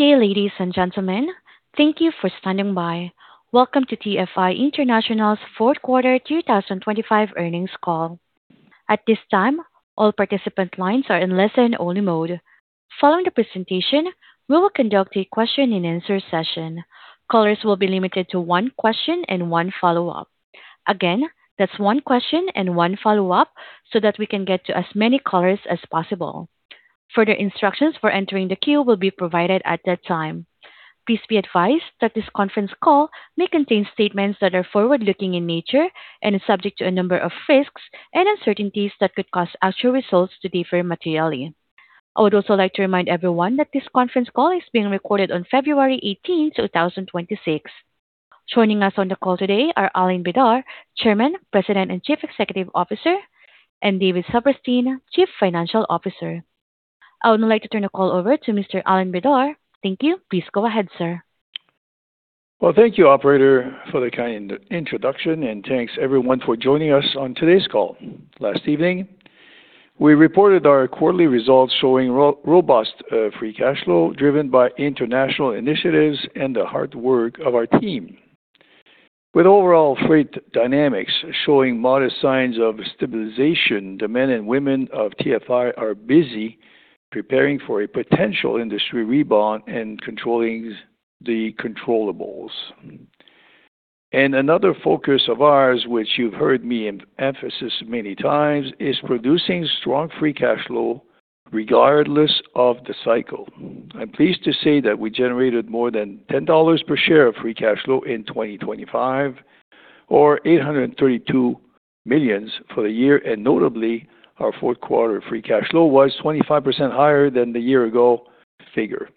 Good day, ladies and gentlemen. Thank you for standing by. Welcome to TFI International's fourth quarter 2025 earnings call. At this time, all participant lines are in listen-only mode. Following the presentation, we will conduct a question-and-answer session. Callers will be limited to one question and one follow-up. Again, that's one question and one follow-up so that we can get to as many callers as possible. Further instructions for entering the queue will be provided at that time. Please be advised that this conference call may contain statements that are forward-looking in nature and are subject to a number of risks and uncertainties that could cause actual results to differ materially. I would also like to remind everyone that this conference call is being recorded on February 18, 2026. Joining us on the call today are Alain Bédard, Chairman, President, and Chief Executive Officer, and David Saperstein, Chief Financial Officer. I would now like to turn the call over to Mr. Alain Bédard. Thank you. Please go ahead, sir. Well, thank you, operator, for the kind introduction, and thanks everyone for joining us on today's call. Last evening, we reported our quarterly results showing robust free cash flow driven by international initiatives and the hard work of our team. With overall freight dynamics showing modest signs of stabilization, the men and women of TFI are busy preparing for a potential industry rebound and controlling the controllables. And another focus of ours, which you've heard me emphasis many times, is producing strong free cash flow regardless of the cycle. I'm pleased to say that we generated more than $10 per share of free cash flow in 2025, or $832 million for the year, and notably, our fourth quarter free cash flow was 25% higher than the year ago figure.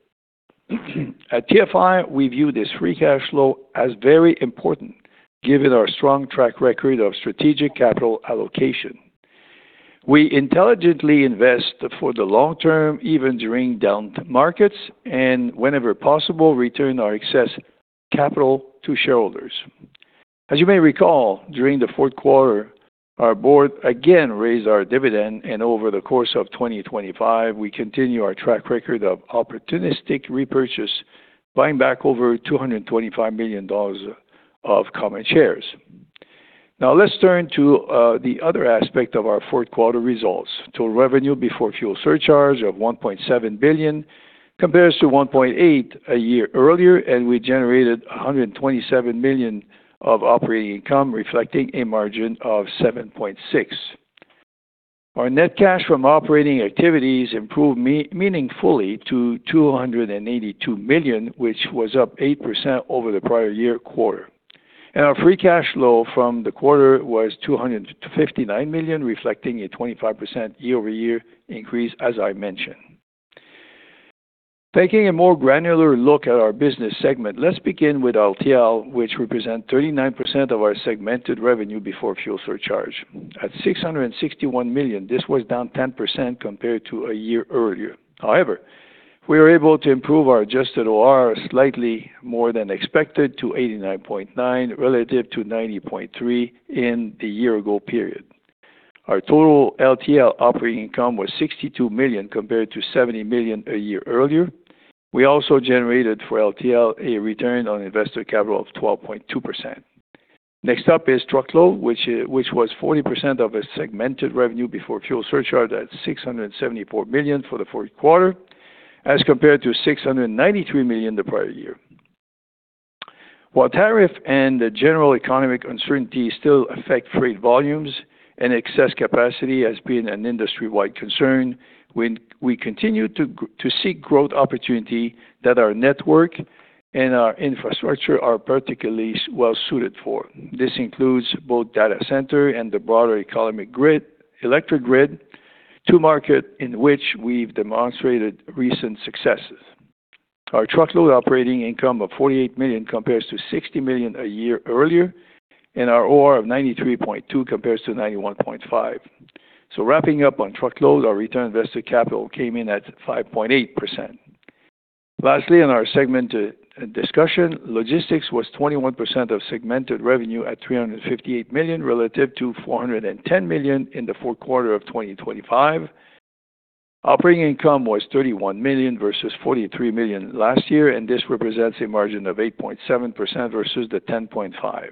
At TFI, we view this free cash flow as very important, given our strong track record of strategic capital allocation. We intelligently invest for the long term, even during down markets, and whenever possible, return our excess capital to shareholders. As you may recall, during the fourth quarter, our board again raised our dividend, and over the course of 2025, we continue our track record of opportunistic repurchase, buying back over $225 million of common shares. Now, let's turn to the other aspect of our fourth quarter results. Total revenue before fuel surcharge of $1.7 billion compares to $1.8 billion a year earlier, and we generated $127 million of operating income, reflecting a margin of 7.6%. Our net cash from operating activities improved meaningfully to $282 million, which was up 8% over the prior year quarter. Our free cash flow from the quarter was $259 million, reflecting a 25% year-over-year increase, as I mentioned. Taking a more granular look at our business segment, let's begin with LTL, which represent 39% of our segmented revenue before fuel surcharge. At $661 million, this was down 10% compared to a year earlier. However, we were able to improve our adjusted OR slightly more than expected to 89.9 relative to 90.3 in the year ago period. Our total LTL operating income was $62 million, compared to $70 million a year earlier. We also generated for LTL a return on invested capital of 12.2%. Next up is truckload, which was 40% of a segmented revenue before fuel surcharge at $674 million for the fourth quarter, as compared to $693 million the prior year. While tariff and the general economic uncertainty still affect freight volumes and excess capacity has been an industry-wide concern, we continue to seek growth opportunity that our network and our infrastructure are particularly well suited for. This includes both data center and the broader economic grid, electric grid, to market, in which we've demonstrated recent successes. Our truckload operating income of $48 million compares to $60 million a year earlier, and our OR of 93.2% compares to 91.5%. So wrapping up on truckload, our return on invested capital came in at 5.8%. Lastly, in our segmented discussion, logistics was 21% of segmented revenue at $358 million, relative to $410 million in the fourth quarter of 2025. Operating income was $31 million versus $43 million last year, and this represents a margin of 8.7% versus the 10.5%.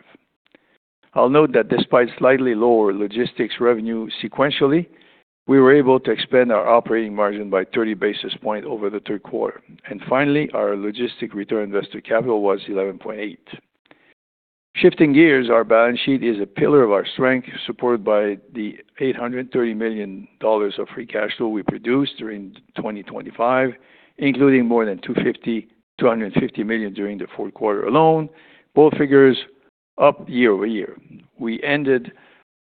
I'll note that despite slightly lower logistics revenue sequentially, we were able to expand our operating margin by 30 basis points over the third quarter. Finally, our logistics return on invested capital was 11.8%. Shifting gears, our balance sheet is a pillar of our strength, supported by the $830 million of free cash flow we produced during 2025, including more than $250 million during the fourth quarter alone, both figures up year-over-year. We ended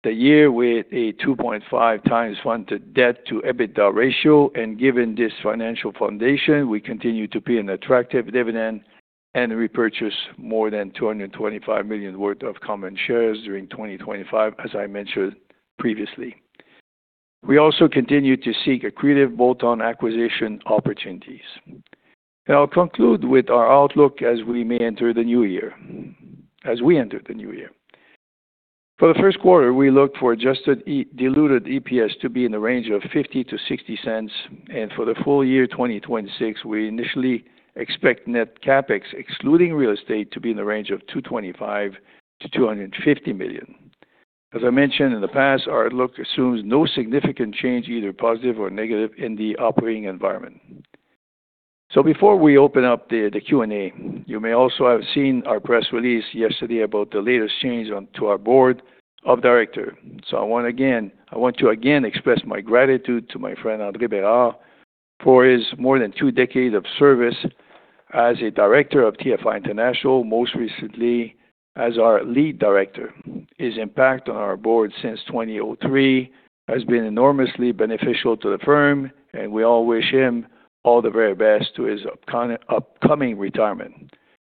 the year with a 2.5 times funded debt to EBITDA ratio, and given this financial foundation, we continue to pay an attractive dividend and repurchase more than $225 million worth of common shares during 2025 as I mentioned previously. We also continue to seek accretive bolt-on acquisition opportunities. I'll conclude with our outlook as we enter the new year. For the first quarter, we look for adjusted diluted EPS to be in the range of $0.50-$0.60, and for the full year 2026, we initially expect net CapEx, excluding real estate, to be in the range of $225 million-$250 million. As I mentioned in the past, our outlook assumes no significant change, either positive or negative, in the operating environment. So before we open up the Q&A, you may also have seen our press release yesterday about the latest change to our board of directors. So I want to again express my gratitude to my friend, André Bérard, for his more than two decades of service as a director of TFI International, most recently as our lead director. His impact on our board since 2003 has been enormously beneficial to the firm, and we all wish him all the very best in his upcoming retirement.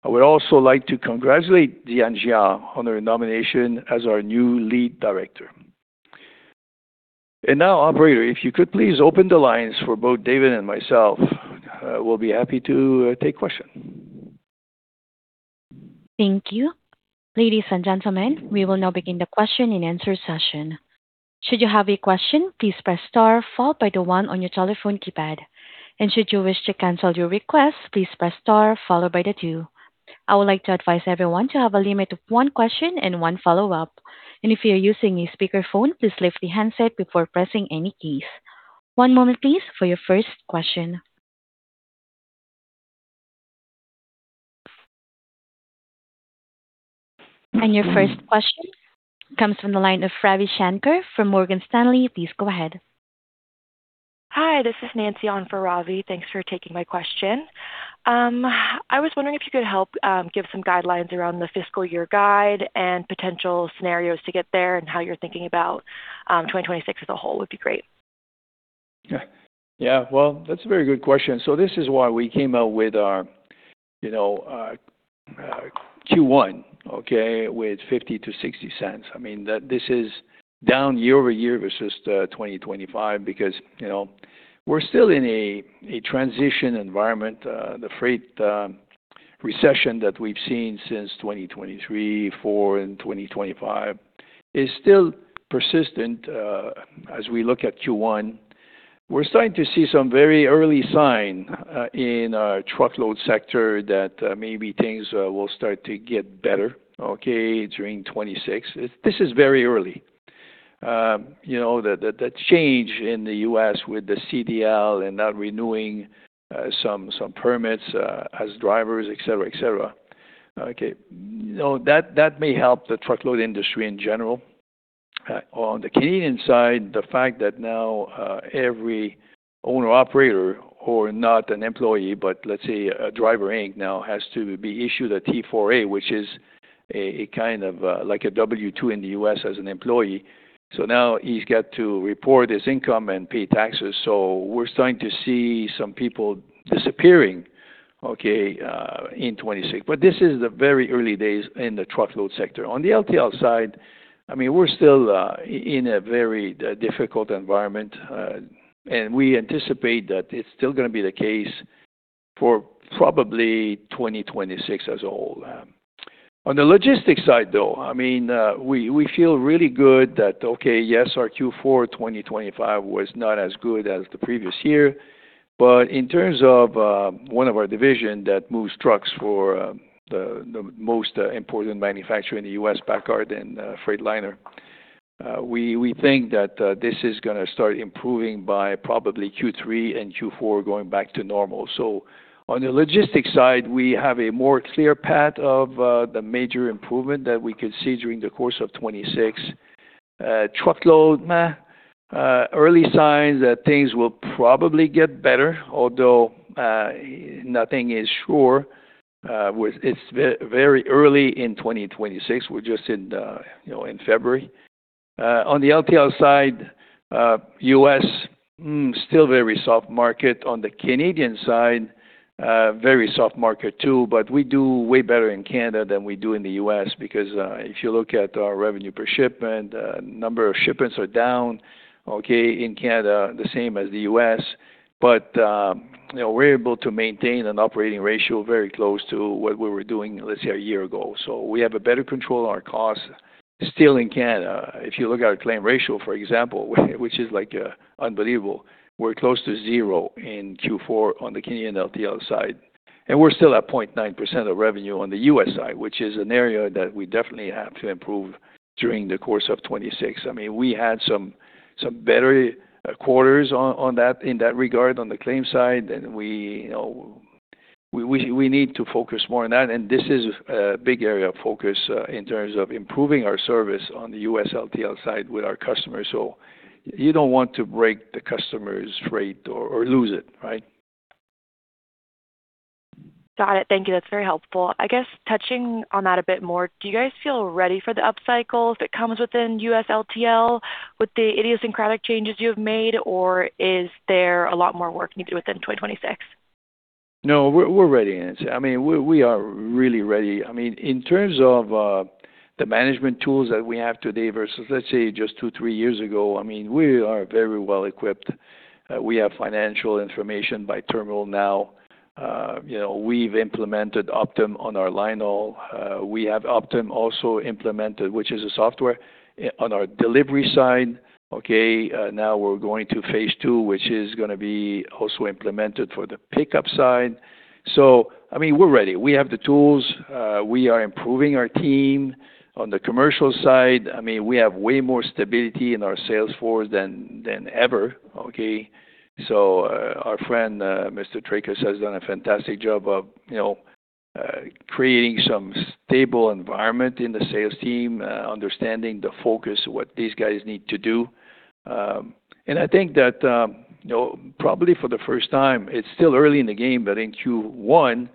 I would also like to congratulate Diane Giard on her nomination as our new lead director. Now, operator, if you could please open the lines for both David and myself, we'll be happy to take questions. Thank you. Ladies and gentlemen, we will now begin the question-and-answer session. Should you have a question, please press star followed by the 1 on your telephone keypad. Should you wish to cancel your request, please press star followed by the 2. I would like to advise everyone to have a limit of one question and one follow-up. If you're using a speakerphone, please lift the handset before pressing any keys. One moment please, for your first question. Your first question comes from the line of Ravi Shanker from Morgan Stanley. Please go ahead. Hi, this is Nancy on for Ravi. Thanks for taking my question. I was wondering if you could help, give some guidelines around the fiscal year guide and potential scenarios to get there, and how you're thinking about, 2026 as a whole, would be great. Yeah, well, that's a very good question. So this is why we came out with our Q1, okay, with $0.50-$0.60. I mean, that this is down year over year versus 2025, because we're still in a transition environment. The freight recession that we've seen since 2023, 2024 and 2025 is still persistent, as we look at Q1. We're starting to see some very early sign in our truckload sector that maybe things will start to get better, okay, during 2026. This is very early. You know, the change in the U.S. with the CDL and not renewing some permits as drivers, et cetera, et cetera. okay that may help the truckload industry in general. On the Canadian side, the fact that now every owner-operator who are not an employee, but let's say a Driver Inc., now has to be issued a T-4A, which is a kind of, like a W-2 in the U.S. as an employee. So now he's got to report his income and pay taxes, so we're starting to see some people disappearing, okay, in 2026. But this is the very early days in the truckload sector. On the LTL side, I mean, we're still in a very difficult environment, and we anticipate that it's still gonna be the case for probably 2026 as a whole. On the logistics side, though, I mean, we feel really good that, okay, yes, our Q4 2025 was not as good as the previous year, but in terms of, one of our division that moves trucks for, the most important manufacturer in the U.S., PACCAR and Freightliner, we think that, this is gonna start improving by probably Q3 and Q4, going back to normal. So on the logistics side, we have a more clear path of, the major improvement that we could see during the course of 2026. Truckload, meh, early signs that things will probably get better, although, nothing is sure. With it's very early in 2026. We're just in the in February. On the LTL side, U.S., still very soft market. On the Canadian side, very soft market too, but we do way better in Canada than we do in the U.S. because, if you look at our revenue per shipment, number of shipments are down, okay, in Canada, the same as the U.S. but we're able to maintain an operating ratio very close to what we were doing, let's say, a year ago. So we have a better control on our costs. Still in Canada, if you look at our claim ratio, for example, which is like, unbelievable, we're close to zero in Q4 on the Canadian LTL side, and we're still at 0.9% of revenue on the U.S. side, which is an area that we definitely have to improve during the course of 2026. I mean, we had some better quarters on that, in that regard, on the claim side, and we need to focus more on that, and this is a big area of focus, in terms of improving our service on the U.S. LTL side with our customers. So you don't want to break the customer's rate or lose it, right? Got it. Thank you. That's very helpful. I guess touching on that a bit more, do you guys feel ready for the upcycle, if it comes within U.S. LTL with the idiosyncratic changes you have made, or is there a lot more work you need to do within 2026? No, we're ready, Nancy. I mean, we are really ready. I mean, in terms of, the management tools that we have today versus, let's say, just 2, 3 years ago, I mean, we are very well equipped. We have financial information by terminal now. You know, we've implemented Optym on our line haul. We have Optym also implemented, which is a software, on our delivery side. Okay, now we're going to phase two, which is gonna be also implemented for the pickup side. So, I mean, we're ready. We have the tools. We are improving our team on the commercial side. I mean, we have way more stability in our sales force than ever, okay? So, our friend, Mr. Trakas has done a fantastic job of creating some stable environment in the sales team, understanding the focus of what these guys need to do. And I think that probably for the first time, it's still early in the game, but in q1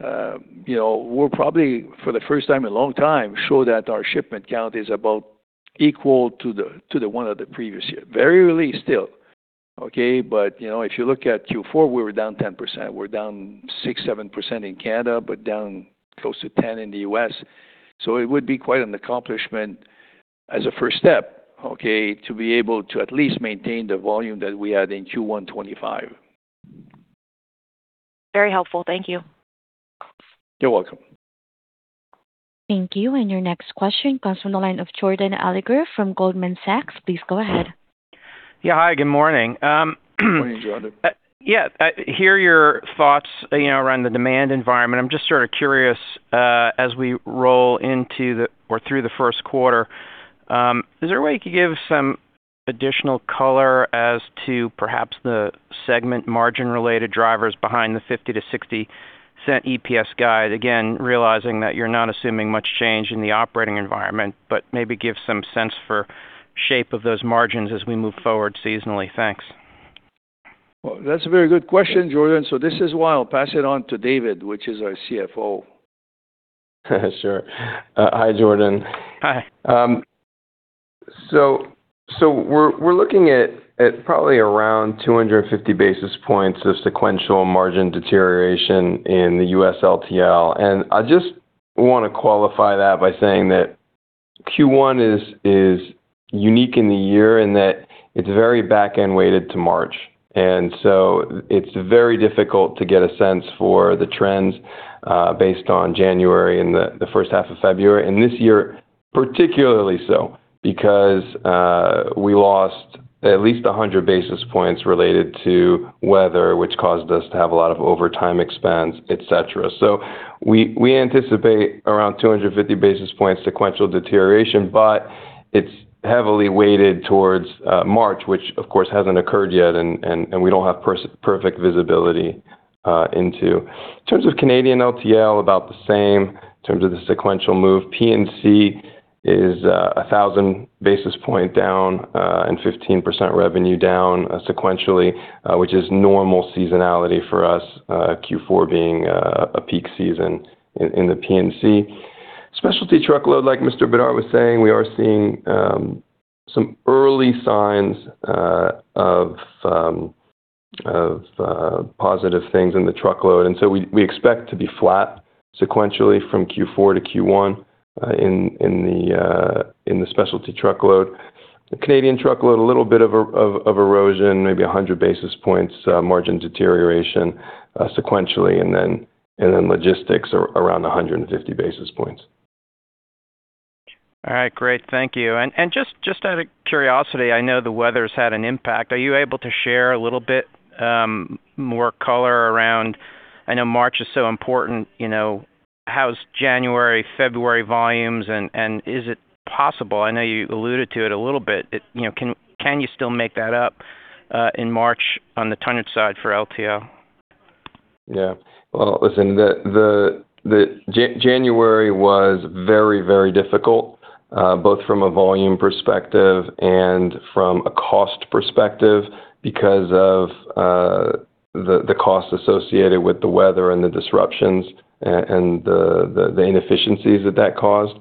we're probably for the first time in a long time, show that our shipment count is about equal to the, to the one of the previous year. Very early still, okay, but if you look at Q4, we were down 10%. We're down 6-7% in Canada, but down close to 10% in the US. So it would be quite an accomplishment as a first step, okay, to be able to at least maintain the volume that we had in Q1 2025. Very helpful. Thank you. You're welcome. Thank you. And your next question comes from the line of Jordan Alliger from Goldman Sachs. Please go ahead. Yeah, hi, good morning. Good morning, Jordan. Yeah, I hear your thoughts around the demand environment. I'm just sort of curious, as we roll into the or through the first quarter, is there a way you could give some additional color as to perhaps the segment margin-related drivers behind the $0.50-$0.60 EPS guide? Again, realizing that you're not assuming much change in the operating environment, but maybe give some sense for shape of those margins as we move forward seasonally. Thanks. Well, that's a very good question, Jordan. This is why I'll pass it on to David, which is our CFO. Sure. Hi, Jordan. Hi. So we're looking at probably around 250 basis points of sequential margin deterioration in the U.S. LTL. And I just wanna qualify that by saying that Q1 is unique in the year, and that it's very back-end weighted to March. And so it's very difficult to get a sense for the trends based on January and the first half of February. And this year, particularly so, because we lost at least 100 basis points related to weather, which caused us to have a lot of overtime expense, et cetera. So we anticipate around 250 basis points sequential deterioration, but it's heavily weighted towards March, which of course, hasn't occurred yet, and we don't have perfect visibility into. In terms of Canadian LTL, about the same in terms of the sequential move. P&C is 1,000 basis points down, and 15% revenue down, sequentially, which is normal seasonality for us, Q4 being a peak season in the P&C. Specialty truckload, like Mr. Bédard was saying, we are seeing some early signs of positive things in the truckload, and so we expect to be flat sequentially from Q4 to Q1, in the specialty truckload. The Canadian truckload, a little bit of a erosion, maybe 100 basis points, margin deterioration, sequentially, and then logistics are around 150 basis points. All right, great. Thank you. And just out of curiosity, I know the weather's had an impact. Are you able to share a little bit more color around... I know March is so important how's January, February volumes, and is it possible, I know you alluded to it a little bit, it can you still make that up in March on the tonnage side for LTL? Yeah. Well, listen, the January was very, very difficult, both from a volume perspective and from a cost perspective because of the costs associated with the weather and the disruptions, and the inefficiencies that that caused.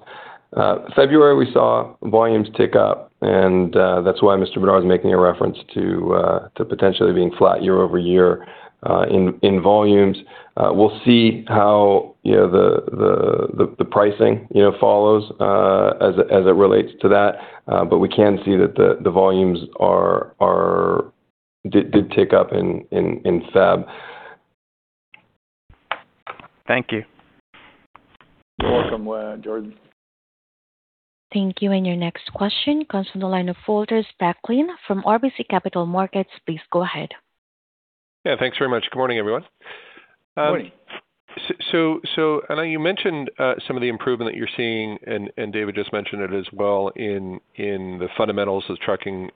February, we saw volumes tick up, and that's why Mr. Bédard is making a reference to potentially being flat year over year, in volumes. We'll see how the pricing follows, as it relates to that. But we can see that the volumes are... did tick up in February. Thank you. You're welcome, Jordan. Thank you. Your next question comes from the line of Walter Spracklin from RBC Capital Markets. Please go ahead. Yeah, thanks very much. Good morning, everyone. Good morning. So, I know you mentioned some of the improvement that you're seeing, and David just mentioned it as well, in the fundamentals of trucking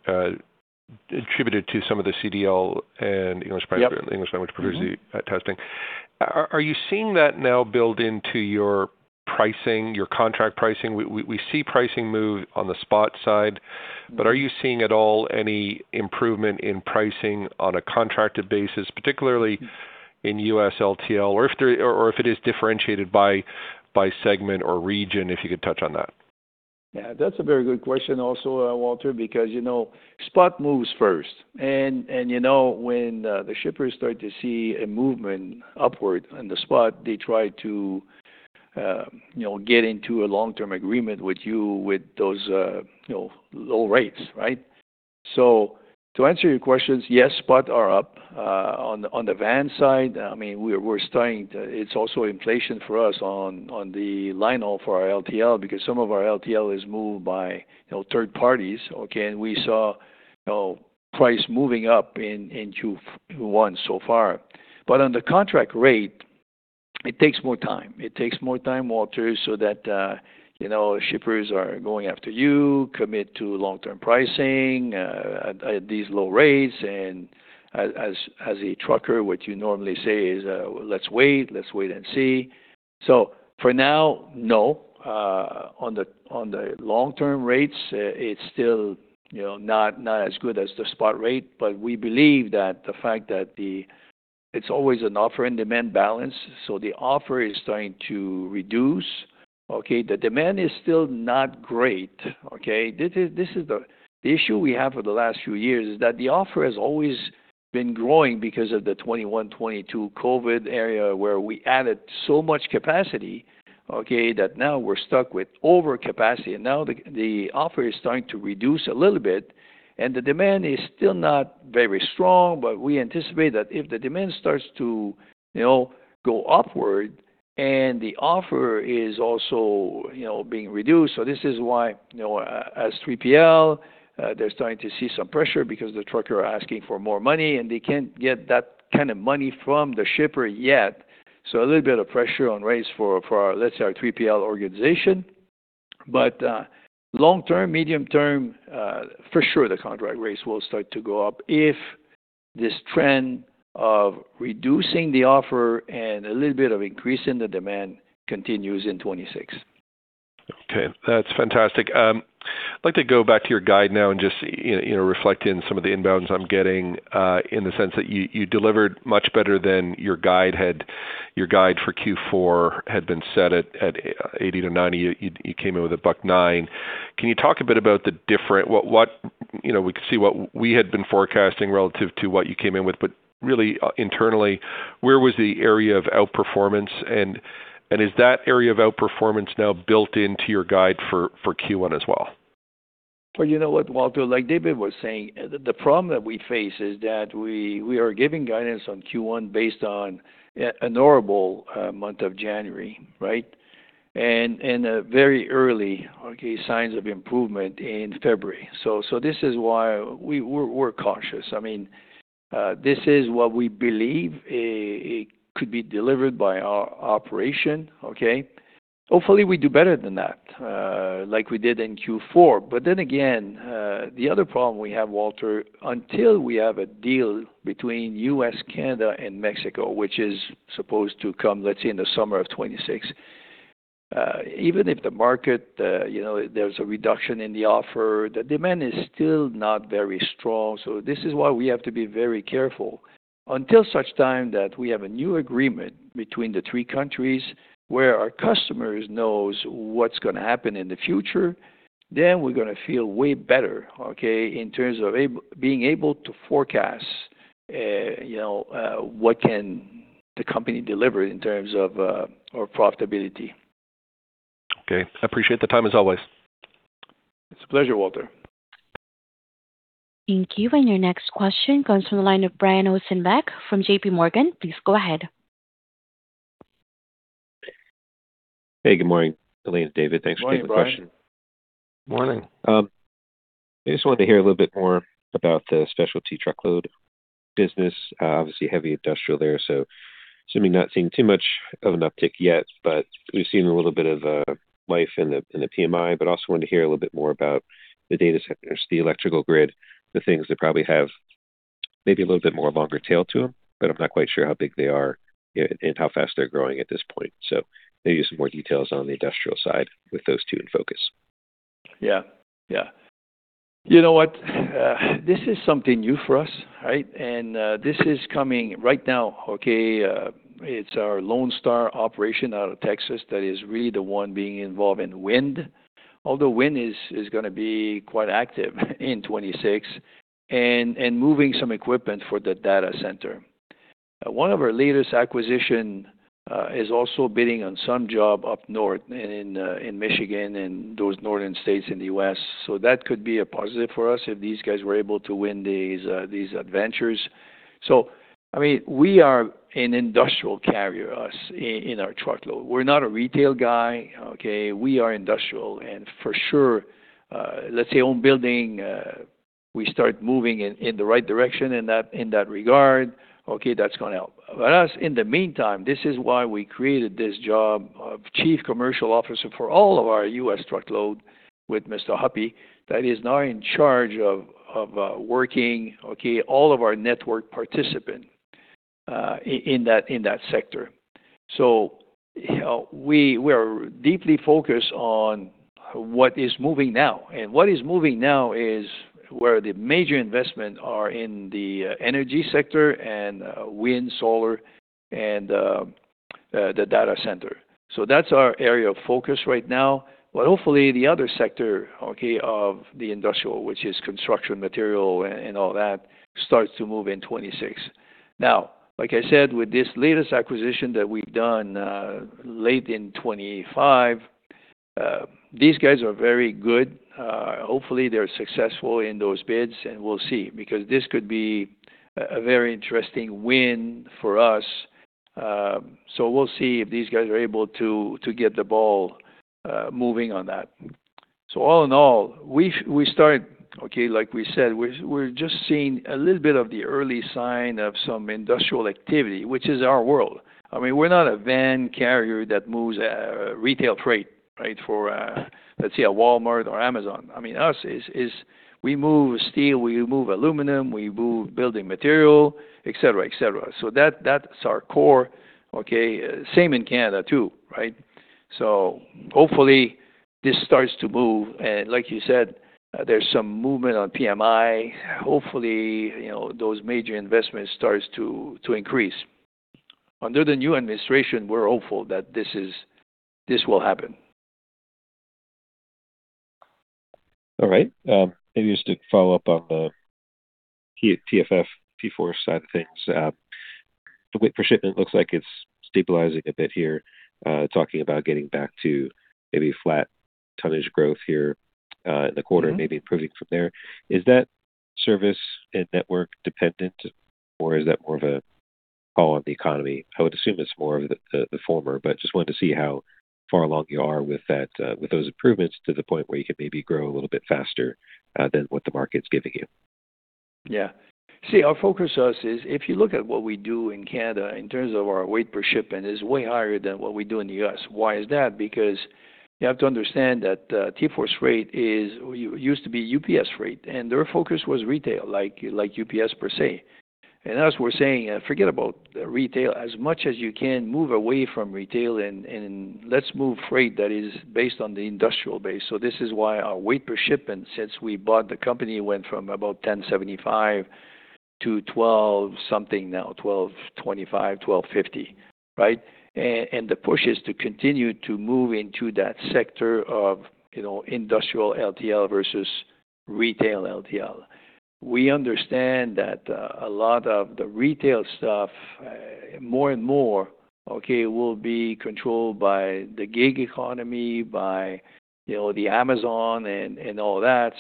attributed to some of the CDL and English- Yep. English language proficiency testing. Are you seeing that now built into your pricing, your contract pricing? We see pricing move on the spot side, but are you seeing at all any improvement in pricing on a contracted basis, particularly in U.S. LTL, or if it is differentiated by segment or region, if you could touch on that? Yeah, that's a very good question also, Walter, because spot moves first and, and you know, when the shippers start to see a movement upward on the spot, they try to get into a long-term agreement with you, with those low rates, right? So to answer your questions, yes, spot are up on the van side. I mean, we're starting to. It's also inflation for us on the linehaul for our LTL, because some of our LTL is moved by third parties, okay? And we saw price moving up in Q1 so far. But on the contract rate, it takes more time. It takes more time, Walter, so that shippers are going after you, commit to long-term pricing at these low rates. And as a trucker, what you normally say is, "Let's wait. Let's wait and see." So for now, no, on the long-term rates, it's still not as good as the spot rate, but we believe that the fact that the... It's always a supply and demand balance, so the supply is starting to reduce, okay? The demand is still not great, okay? This is the issue we have for the last few years, is that the supply has always been growing because of the 2021, 2022 COVID era, where we added so much capacity, okay, that now we're stuck with overcapacity. And now the offer is starting to reduce a little bit, and the demand is still not very strong, but we anticipate that if the demand starts to go upward and the offer is also being reduced. So this is why as 3PL, they're starting to see some pressure because the truckers are asking for more money, and they can't get that kind of money from the shipper yet. So a little bit of pressure on rates for, let's say, our 3PL organization. But long term, medium term, for sure, the contract rates will start to go up if this trend of reducing the offer and a little bit of increase in the demand continues in 2026. Okay, that's fantastic. I'd like to go back to your guide now and know reflect in some of the inbounds I'm getting, in the sense that you delivered much better than your guide had. Your guide for Q4 had been set at $80-$90. You came in with $109. Can you talk a bit about what you know, we can see what we had been forecasting relative to what you came in with, but really, internally, where was the area of outperformance, and is that area of outperformance now built into your guide for Q1 as well? Well, you know what, Walter, like David was saying, the problem that we face is that we are giving guidance on Q1 based on a normal month of January, right? And a very early signs of improvement in February. So this is why we're cautious. I mean, this is what we believe it could be delivered by our operation, okay? Hopefully, we do better than that, like we did in Q4. But then again, the other problem we have, Walter, until we have a deal between U.S., Canada, and Mexico, which is supposed to come, let's say, in the summer of 2026, even if the market there's a reduction in the offer, the demand is still not very strong. So this is why we have to be very careful. Until such time that we have a new agreement between the three countries, where our customers knows what's gonna happen in the future, then we're gonna feel way better, okay, in terms of being able to forecast what can the company deliver in terms of our profitability. Okay. I appreciate the time, as always. It's a pleasure, Walter. Thank you. And your next question comes from the line of Brian Ossenbeck from JPMorgan. Please go ahead. Hey, good morning, Alain and David. Thanks for the question. Morning, Brian. Morning. I just wanted to hear a little bit more about the specialty truckload business. Obviously, heavy industrial there, so assuming not seeing too much of an uptick yet, but we've seen a little bit of life in the PMI, but also wanted to hear a little bit more about the data centers, the electrical grid, the things that probably have maybe a little bit more longer tail to them, but I'm not quite sure how big they are and how fast they're growing at this point. So maybe some more details on the industrial side with those two in focus. Yeah. Yeah. You know what? This is something new for us, right? This is coming right now, okay? It's our Lone Star operation out of Texas that is really the one being involved in wind. Although wind is, is gonna be quite active in 2026 and moving some equipment for the data center. One of our latest acquisitions is also bidding on some job up north in Michigan and those northern states in the U.S. That could be a positive for us if these guys were able to win these adventures. I mean, we are an industrial carrier, us, in our truckload. We're not a retail guy, okay? We are industrial, and for sure, let's say own building, we start moving in the right direction in that regard. Okay, that's gonna help. But us, in the meantime, this is why we created this job of Chief Commercial Officer for all of our U.S. truckload with Mr. Hupp, that is now in charge of working, okay, all of our network participants, in that, in that sector. so we, we are deeply focused on what is moving now, and what is moving now is where the major investment are in the energy sector and wind, solar, and the data center. So that's our area of focus right now. But hopefully the other sector, okay, of the industrial, which is construction material and all that, starts to move in 2026. Now, like I said, with this latest acquisition that we've done, late in 2025... these guys are very good. Hopefully, they're successful in those bids, and we'll see, because this could be a very interesting win for us. So we'll see if these guys are able to get the ball moving on that. So all in all, we start, okay, like we said, we're just seeing a little bit of the early sign of some industrial activity, which is our world. I mean, we're not a van carrier that moves retail freight, right? For, let's say, a Walmart or Amazon. I mean, us is we move steel, we move aluminum, we move building material, et cetera, et cetera. So that's our core, okay? Same in Canada, too, right? So hopefully, this starts to move. And like you said, there's some movement on PMI. hopefully those major investments starts to increase. Under the new administration, we're hopeful that this will happen. All right, maybe just to follow up on the TForce side of things. The weight per shipment looks like it's stabilizing a bit here, talking about getting back to maybe flat tonnage growth here, in the quarter maybe improving from there. Is that service and network dependent, or is that more of a call on the economy? I would assume it's more of the former, but just wanted to see how far along you are with that, with those improvements to the point where you can maybe grow a little bit faster, than what the market's giving you. Yeah. See, our focus is if you look at what we do in Canada, in terms of our weight per shipment, is way higher than what we do in the US. Why is that? Because you have to understand that, TForce Freight is used to be UPS Freight, and their focus was retail, like, like UPS per se. And as we're saying, forget about retail. As much as you can, move away from retail and, and let's move freight that is based on the industrial base. So this is why our weight per shipment, since we bought the company, went from about 1,075 to 12-something now, 1,225, 1,250, right? And, and the push is to continue to move into that sector of industrial LTL versus retail LTL. We understand that a lot of the retail stuff, more and more, okay, will be controlled by the gig economy, by the Amazon and all that.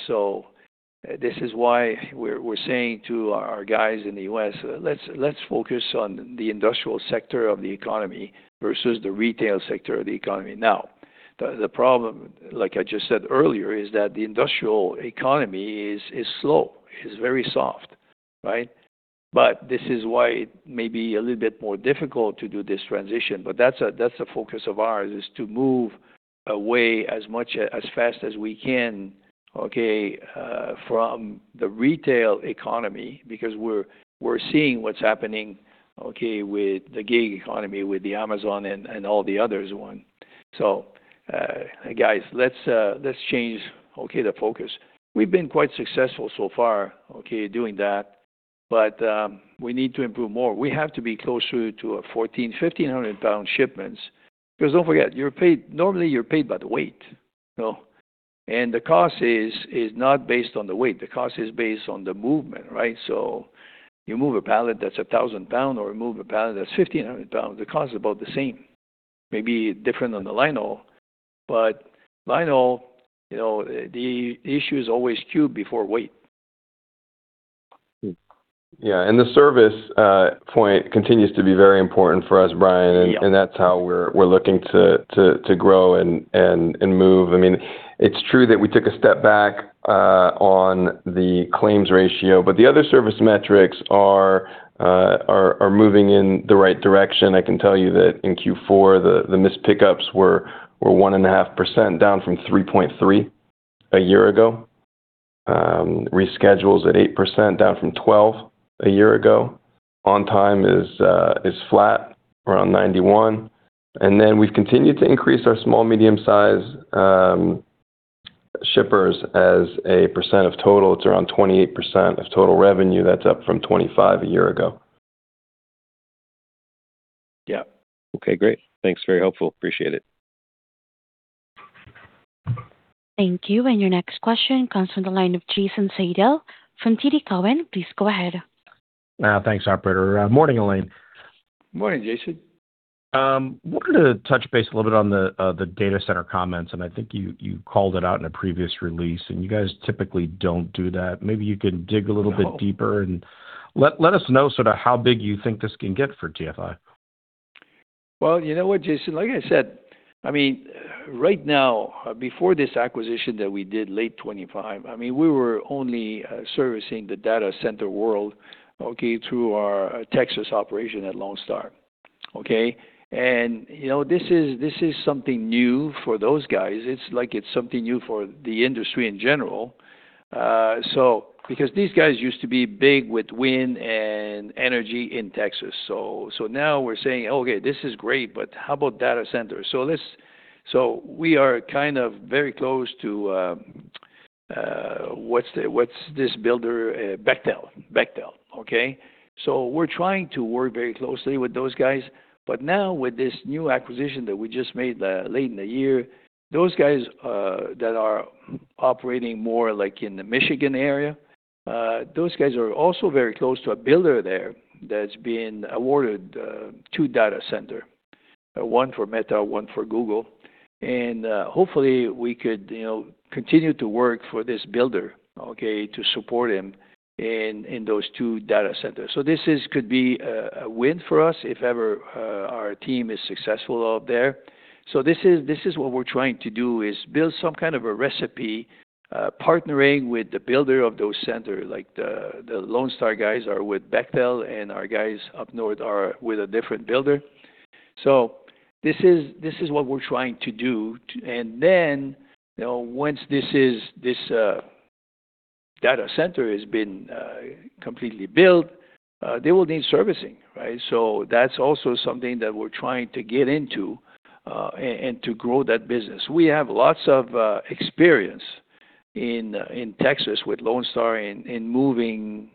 So this is why we're saying to our guys in the U.S., "Let's focus on the industrial sector of the economy versus the retail sector of the economy." Now, the problem, like I just said earlier, is that the industrial economy is slow, is very soft, right? But this is why it may be a little bit more difficult to do this transition, but that's a focus of ours, is to move away as much, as fast as we can, okay, from the retail economy, because we're seeing what's happening, okay, with the gig economy, with the Amazon and all the others one. So, guys, let's change, okay, the focus. We've been quite successful so far, okay, doing that, but we need to improve more. We have to be closer to 1,400-1,500 pound shipments, because don't forget, you're paid—normally, you're paid by the weight. So, and the cost is not based on the weight, the cost is based on the movement, right? So you move a pallet that's 1,000 pound or move a pallet that's 1,500 pounds, the cost is about the same. Maybe different on the linehaul, but linehaul the issue is always cube before weight. Yeah, and the service point continues to be very important for us, Brian and that's how we're looking to grow and move. I mean, it's true that we took a step back on the claims ratio, but the other service metrics are moving in the right direction. I can tell you that in Q4, the missed pickups were 1.5%, down from 3.3% a year ago. Reschedules at 8%, down from 12% a year ago. On time is flat, around 91%. And then we've continued to increase our small, medium-sized shippers as a percent of total. It's around 28% of total revenue. That's up from 25% a year ago. Yeah. Okay, great. Thanks, very helpful. Appreciate it. Thank you, and your next question comes from the line of Jason Seidl from TD Cowen. Please go ahead. Thanks, operator. Morning, Alain. Morning, Jason. Wanted to touch base a little bit on the data center comments, and I think you called it out in a previous release, and you guys typically don't do that. Maybe you can dig a little bit deeper. I know. Let us know sort of how big you think this can get for TFI. Well, you know what, Jason, like I said, I mean, right now, before this acquisition that we did late 2025, I mean, we were only servicing the data center world, okay, through our Texas operation at Lone Star. Okay, and this is, this is something new for those guys. It's like it's something new for the industry in general. So because these guys used to be big with wind and energy in Texas. So, so now we're saying, "Okay, this is great, but how about data centers?" So we are kind of very close to, what's the, what's this builder? Bechtel. Bechtel, okay? So we're trying to work very closely with those guys, but now with this new acquisition that we just made late in the year, those guys that are operating more like in the Michigan area. Those guys are also very close to a builder there that's been awarded two data center, one for Meta, one for Google. And hopefully we could continue to work for this builder, okay, to support him in those two data centers. So this is could be a win for us if ever our team is successful out there. So this is what we're trying to do, is build some kind of a recipe partnering with the builder of those center, like the Lone Star guys are with Bechtel, and our guys up north are with a different builder. So this is, this is what we're trying to do. And then once this is, this, data center has been completely built, they will need servicing, right? So that's also something that we're trying to get into, and to grow that business. We have lots of experience in, in Texas with Lone Star in, in moving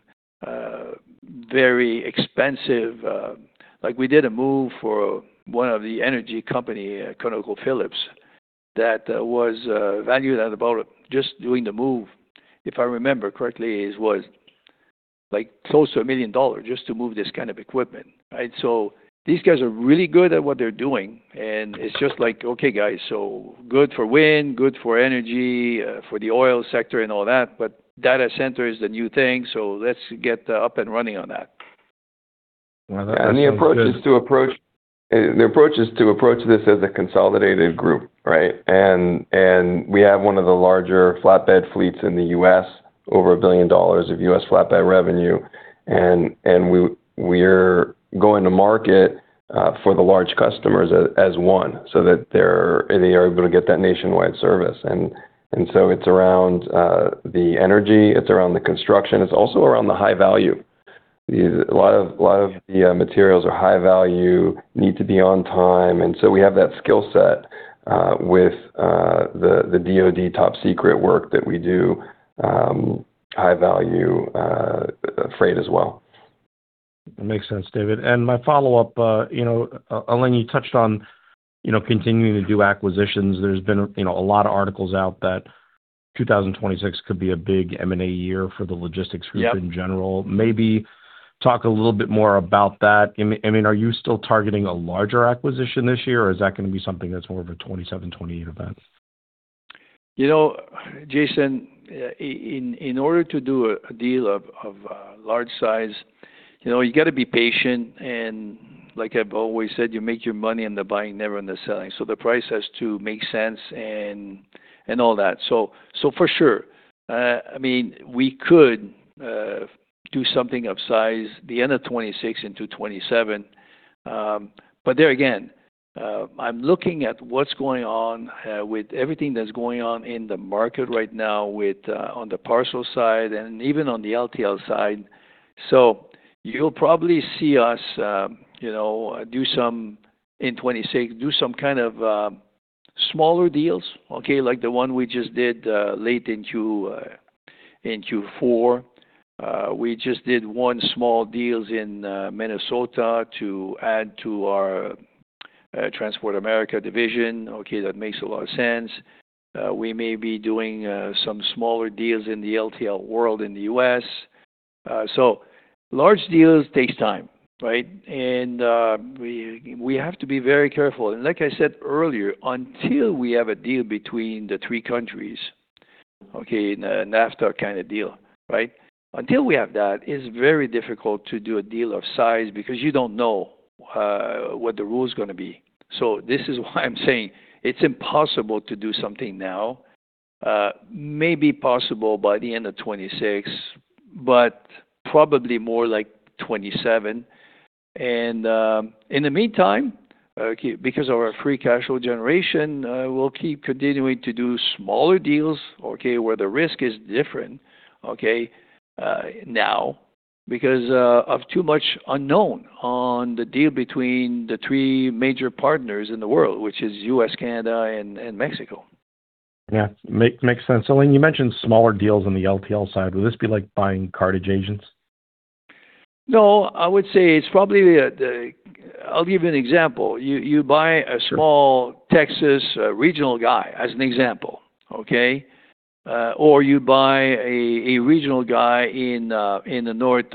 very expensive... Like, we did a move for one of the energy company, ConocoPhillips, that was valued at about, just doing the move, if I remember correctly, it was, like, close to $1 million just to move this kind of equipment, right? So these guys are really good at what they're doing, and it's just like, okay, guys, so good for wind, good for energy, for the oil sector and all that, but data center is the new thing, so let's get up and running on that. Well, and the approach is to approach this as a consolidated group, right? And we have one of the larger flatbed fleets in the U.S., over $1 billion of U.S. flatbed revenue. And we are going to market for the large customers as one, so that they are able to get that nationwide service. And so it's around the energy, it's around the construction, it's also around the high value. These, a lot of the materials are high value, need to be on time, and so we have that skill set with the DoD top secret work that we do, high value freight as well. Makes sense, David. My follow-up Alain, you touched on continuing to do acquisitions. There's been a lot of articles out that 2026 could be a big M&A year for the logistics group in general. Maybe talk a little bit more about that. I mean, are you still targeting a larger acquisition this year, or is that gonna be something that's more of a 2027, 2028 event? You know, Jason, in order to do a deal of large size you got to be patient, and like I've always said, you make your money in the buying, never in the selling. So the price has to make sense and all that. So for sure, I mean, we could do something of size the end of 2026 into 2027. But there again, I'm looking at what's going on with everything that's going on in the market right now, with on the parcel side and even on the LTL side. So you'll probably see us do some, in 2026, do some kind of smaller deals, okay? Like the one we just did late in Q4. We just did one small deals in Minnesota to add to our Transport America division. Okay, that makes a lot of sense. We may be doing some smaller deals in the LTL world, in the U.S. So large deals takes time, right? And we have to be very careful. And like I said earlier, until we have a deal between the three countries, okay, NAFTA kind of deal, right? Until we have that, it's very difficult to do a deal of size because you don't know what the rule is gonna be. So this is why I'm saying it's impossible to do something now. Maybe possible by the end of 2026, but probably more like 2027. In the meantime, because of our Free Cash Flow generation, we'll keep continuing to do smaller deals, okay, where the risk is different, okay, now, because of too much unknown on the deal between the three major partners in the world, which is U.S., Canada, and, and Mexico. Yeah, makes sense. Alain, you mentioned smaller deals on the LTL side. Would this be like buying cartage agents? No, I would say it's probably a. I'll give you an example. You buy a small Texas regional guy, as an example, okay? Or you buy a, a regional guy in, in the North,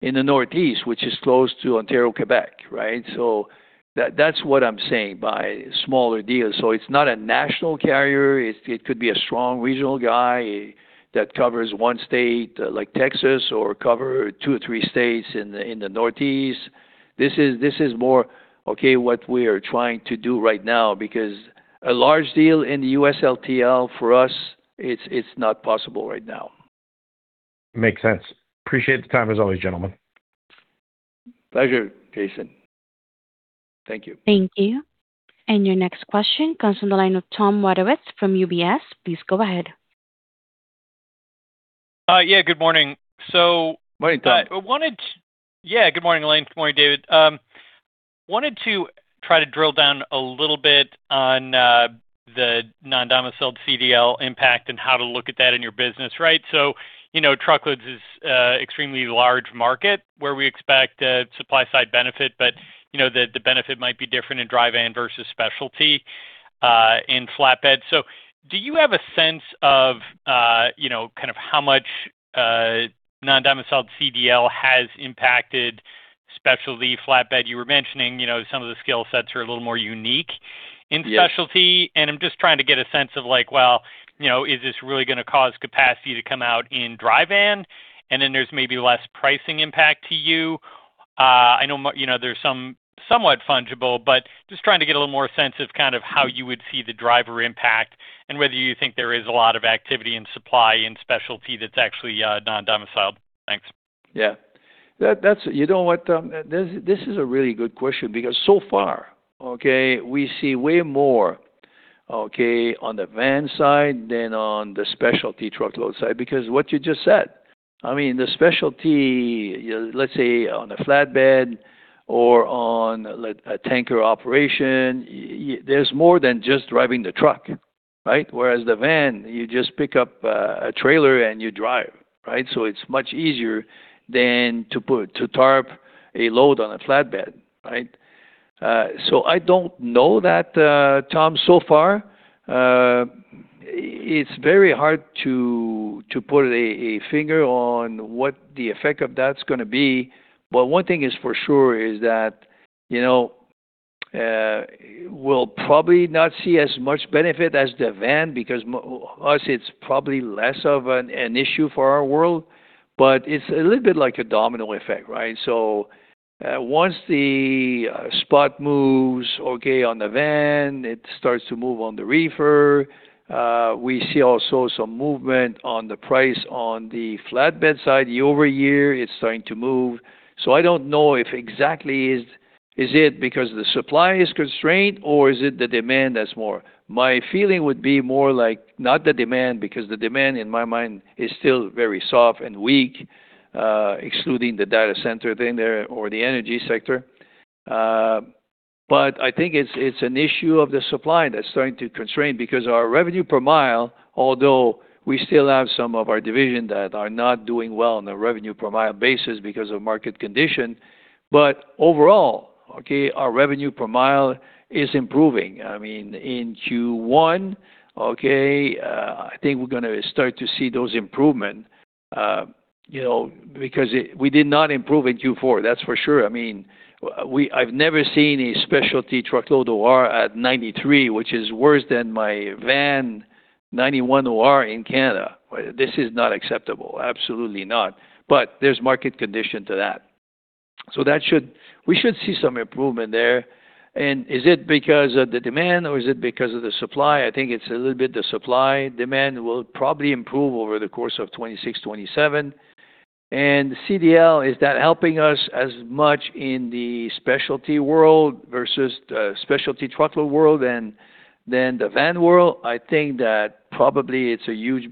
in the Northeast, which is close to Ontario, Quebec, right? So that- that's what I'm saying by smaller deals. So it's not a national carrier. It, it could be a strong regional guy that covers one state, like Texas, or cover two or three states in the, in the Northeast. This is, this is more, okay, what we are trying to do right now, because a large deal in the U.S. LTL, for us, it's, it's not possible right now. Makes sense. Appreciate the time, as always, gentlemen. Pleasure, Jason. Thank you. Thank you. And your next question comes from the line of Tom Wadewitz from UBS. Please go ahead. Yeah, good morning. Morning, Tom. Yeah, good morning, Alain. Good morning, David. Wanted to try to drill down a little bit on the non-domiciled CDL impact and how to look at that in your business, right? so truckloads is an extremely large market where we expect a supply-side benefit, but the benefit might be different in dry van versus specialty in flatbed. So do you have a sense of kind of how much, non-domiciled CDL has impacted specialty flatbed? You were mentioning some of the skill sets are a little more unique in specialty. Yes. I'm just trying to get a sense of like, well is this really gonna cause capacity to come out in dry van, and then there's maybe less pricing impact to you? I know there's somewhat fungible, but just trying to get a little more sense of kind of how you would see the driver impact, and whether you think there is a lot of activity in supply and specialty that's actually non-domiciled. Thanks. Yeah. That, that's— You know what, this, this is a really good question because so far, okay, we see way more, okay, on the van side than on the specialty truckload side because what you just said. I mean, the specialty, let's say on a flatbed or on a, like, a tanker operation, there's more than just driving the truck, right? Whereas the van, you just pick up a trailer and you drive, right? So it's much easier than to put to tarp a load on a flatbed, right? So I don't know that, Tom, so far. It's very hard to put a finger on what the effect of that's gonna be. But one thing is for sure is that we'll probably not see as much benefit as the van, because m- us, it's probably less of an issue for our world, but it's a little bit like a domino effect, right? So, once the spot moves, okay, on the van, it starts to move on the reefer, we see also some movement on the price on the flatbed side. The over year, it's starting to move. So I don't know if exactly is, is it because the supply is constrained or is it the demand that's more? My feeling would be more like not the demand, because the demand in my mind is still very soft and weak, excluding the data center thing there or the energy sector. But I think it's an issue of the supply that's starting to constrain, because our revenue per mile, although we still have some of our division that are not doing well on a revenue per mile basis because of market condition, but overall, okay, our revenue per mile is improving. I mean, in Q1, okay, I think we're gonna start to see those improvement because we did not improve in Q4, that's for sure. I mean, we-- I've never seen a specialty truckload OR at 93, which is worse than my van 91 OR in Canada. This is not acceptable. Absolutely not. But there's market condition to that. So that should we should see some improvement there. And is it because of the demand or is it because of the supply? I think it's a little bit the supply. Demand will probably improve over the course of 2026, 2027. CDL, is that helping us as much in the specialty world versus the specialty truckload world than the van world? I think that probably it's a huge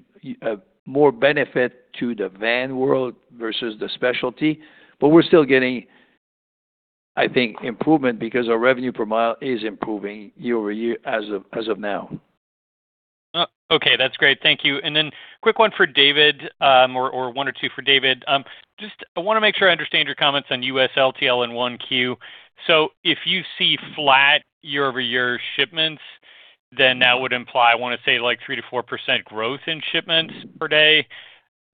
more benefit to the van world versus the specialty, but we're still getting, I think, improvement because our revenue per mile is improving year-over-year as of now. Okay, that's great. Thank you. And then quick one for David, or one or two for David. Just I wanna make sure I understand your comments on US LTL in 1Q. So if you see flat year-over-year shipments, then that would imply, I wanna say, like 3%-4% growth in shipments per day,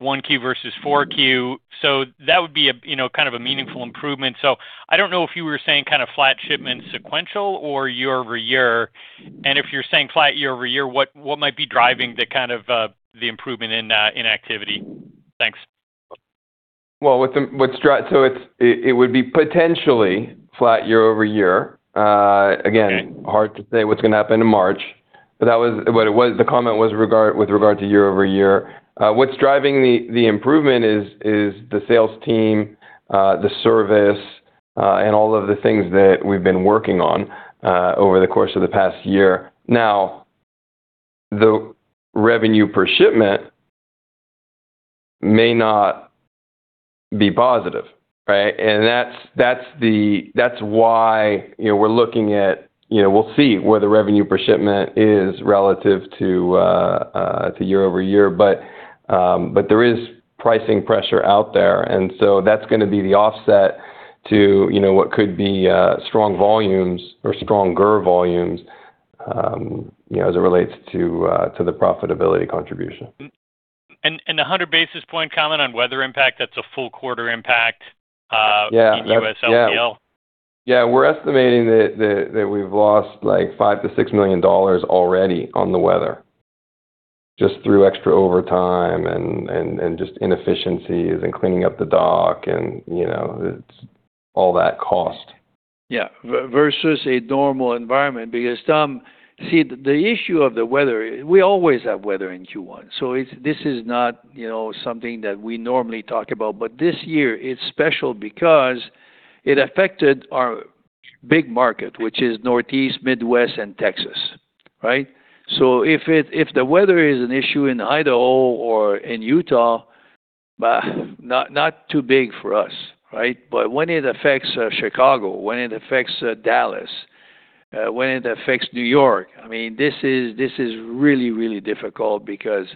1Q versus 4Q. So that would be a kind of a meaningful improvement. So I don't know if you were saying kind of flat shipments, sequential or year-over-year. And if you're saying flat year-over-year, what might be driving the kind of, the improvement in activity? Thanks. Well, so it would be potentially flat year-over-year. Again hard to say what's gonna happen in March, but that was what it was. The comment was with regard to year-over-year. What's driving the improvement is the sales team, the service, and all of the things that we've been working on over the course of the past year. Now, the revenue per shipment may not be positive, right? And that's why we're looking at we'll see where the revenue per shipment is relative to year-over-year. But there is pricing pressure out there, and so that's gonna be the offset to what could be strong volumes or stronger volumes as it relates to the profitability contribution. 100 basis point comment on weather impact, that's a full quarter impact in U.S. LTL. Yeah. Yeah, we're estimating that we've lost like $5-$6 million already on the weather, just through extra overtime and just inefficiencies and cleaning up the dock and it's all that cost. Yeah, versus a normal environment, because, Tom, see, the issue of the weather, we always have weather in Q1, so this is not something that we normally talk about, but this year it's special because it affected our big market, which is Northeast, Midwest, and Texas, right? So if the weather is an issue in Idaho or in Utah, but not too big for us, right? But when it affects Chicago, when it affects Dallas, when it affects New York, I mean, this is, this is really, really difficult because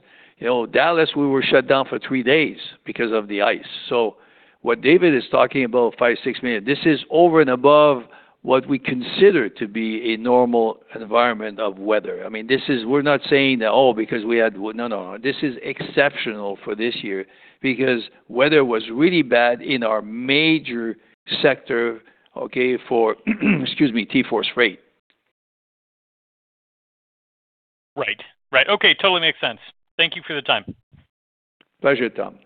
Dallas, we were shut down for three days because of the ice. So what David is talking about, $5-$6 million, this is over and above what we consider to be a normal environment of weather. I mean, this is—we're not saying that, oh, because we had— No, no. This is exceptional for this year because weather was really bad in our major sector, okay, for, excuse me, TForce Freight. Right. Right. Okay, totally makes sense. Thank you for the time. Pleasure, Tom.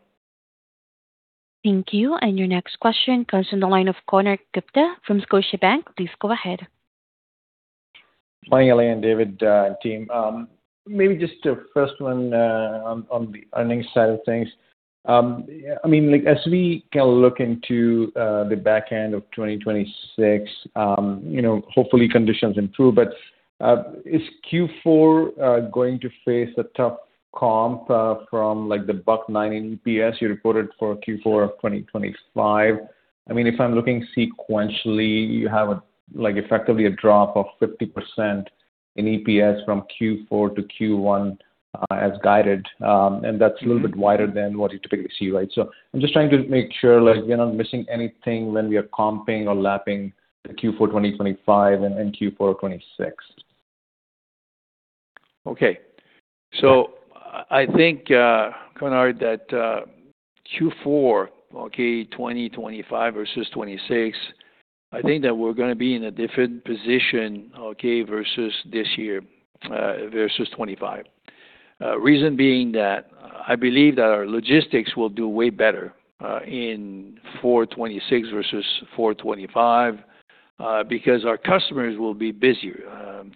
Thank you. And your next question comes from the line of Konark Gupta from Scotiabank. Please go ahead. Hi, Alain and David, team. Maybe just the first one, on the earnings side of things. I mean, like, as we kind of look into the back end of 2026 hopefully conditions improve, but is Q4 going to face a tough comp from like the $1.90 EPS you reported for Q4 of 2025? I mean, if I'm looking sequentially, you have like effectively a drop of 50% in EPS from Q4 to Q1 as guided. And that's a little bit wider than what you typically see, right? So I'm just trying to make sure like we're not missing anything when we are comping or lapping the Q4 2025 and Q4 2026. Okay. So I think, Konark, that Q4, okay, 2025 versus 2026, I think that we're gonna be in a different position, okay, versus this year, versus 2025. Reason being that I believe that our logistics will do way better, in Q4 2026 versus Q4 2025, because our customers will be busier.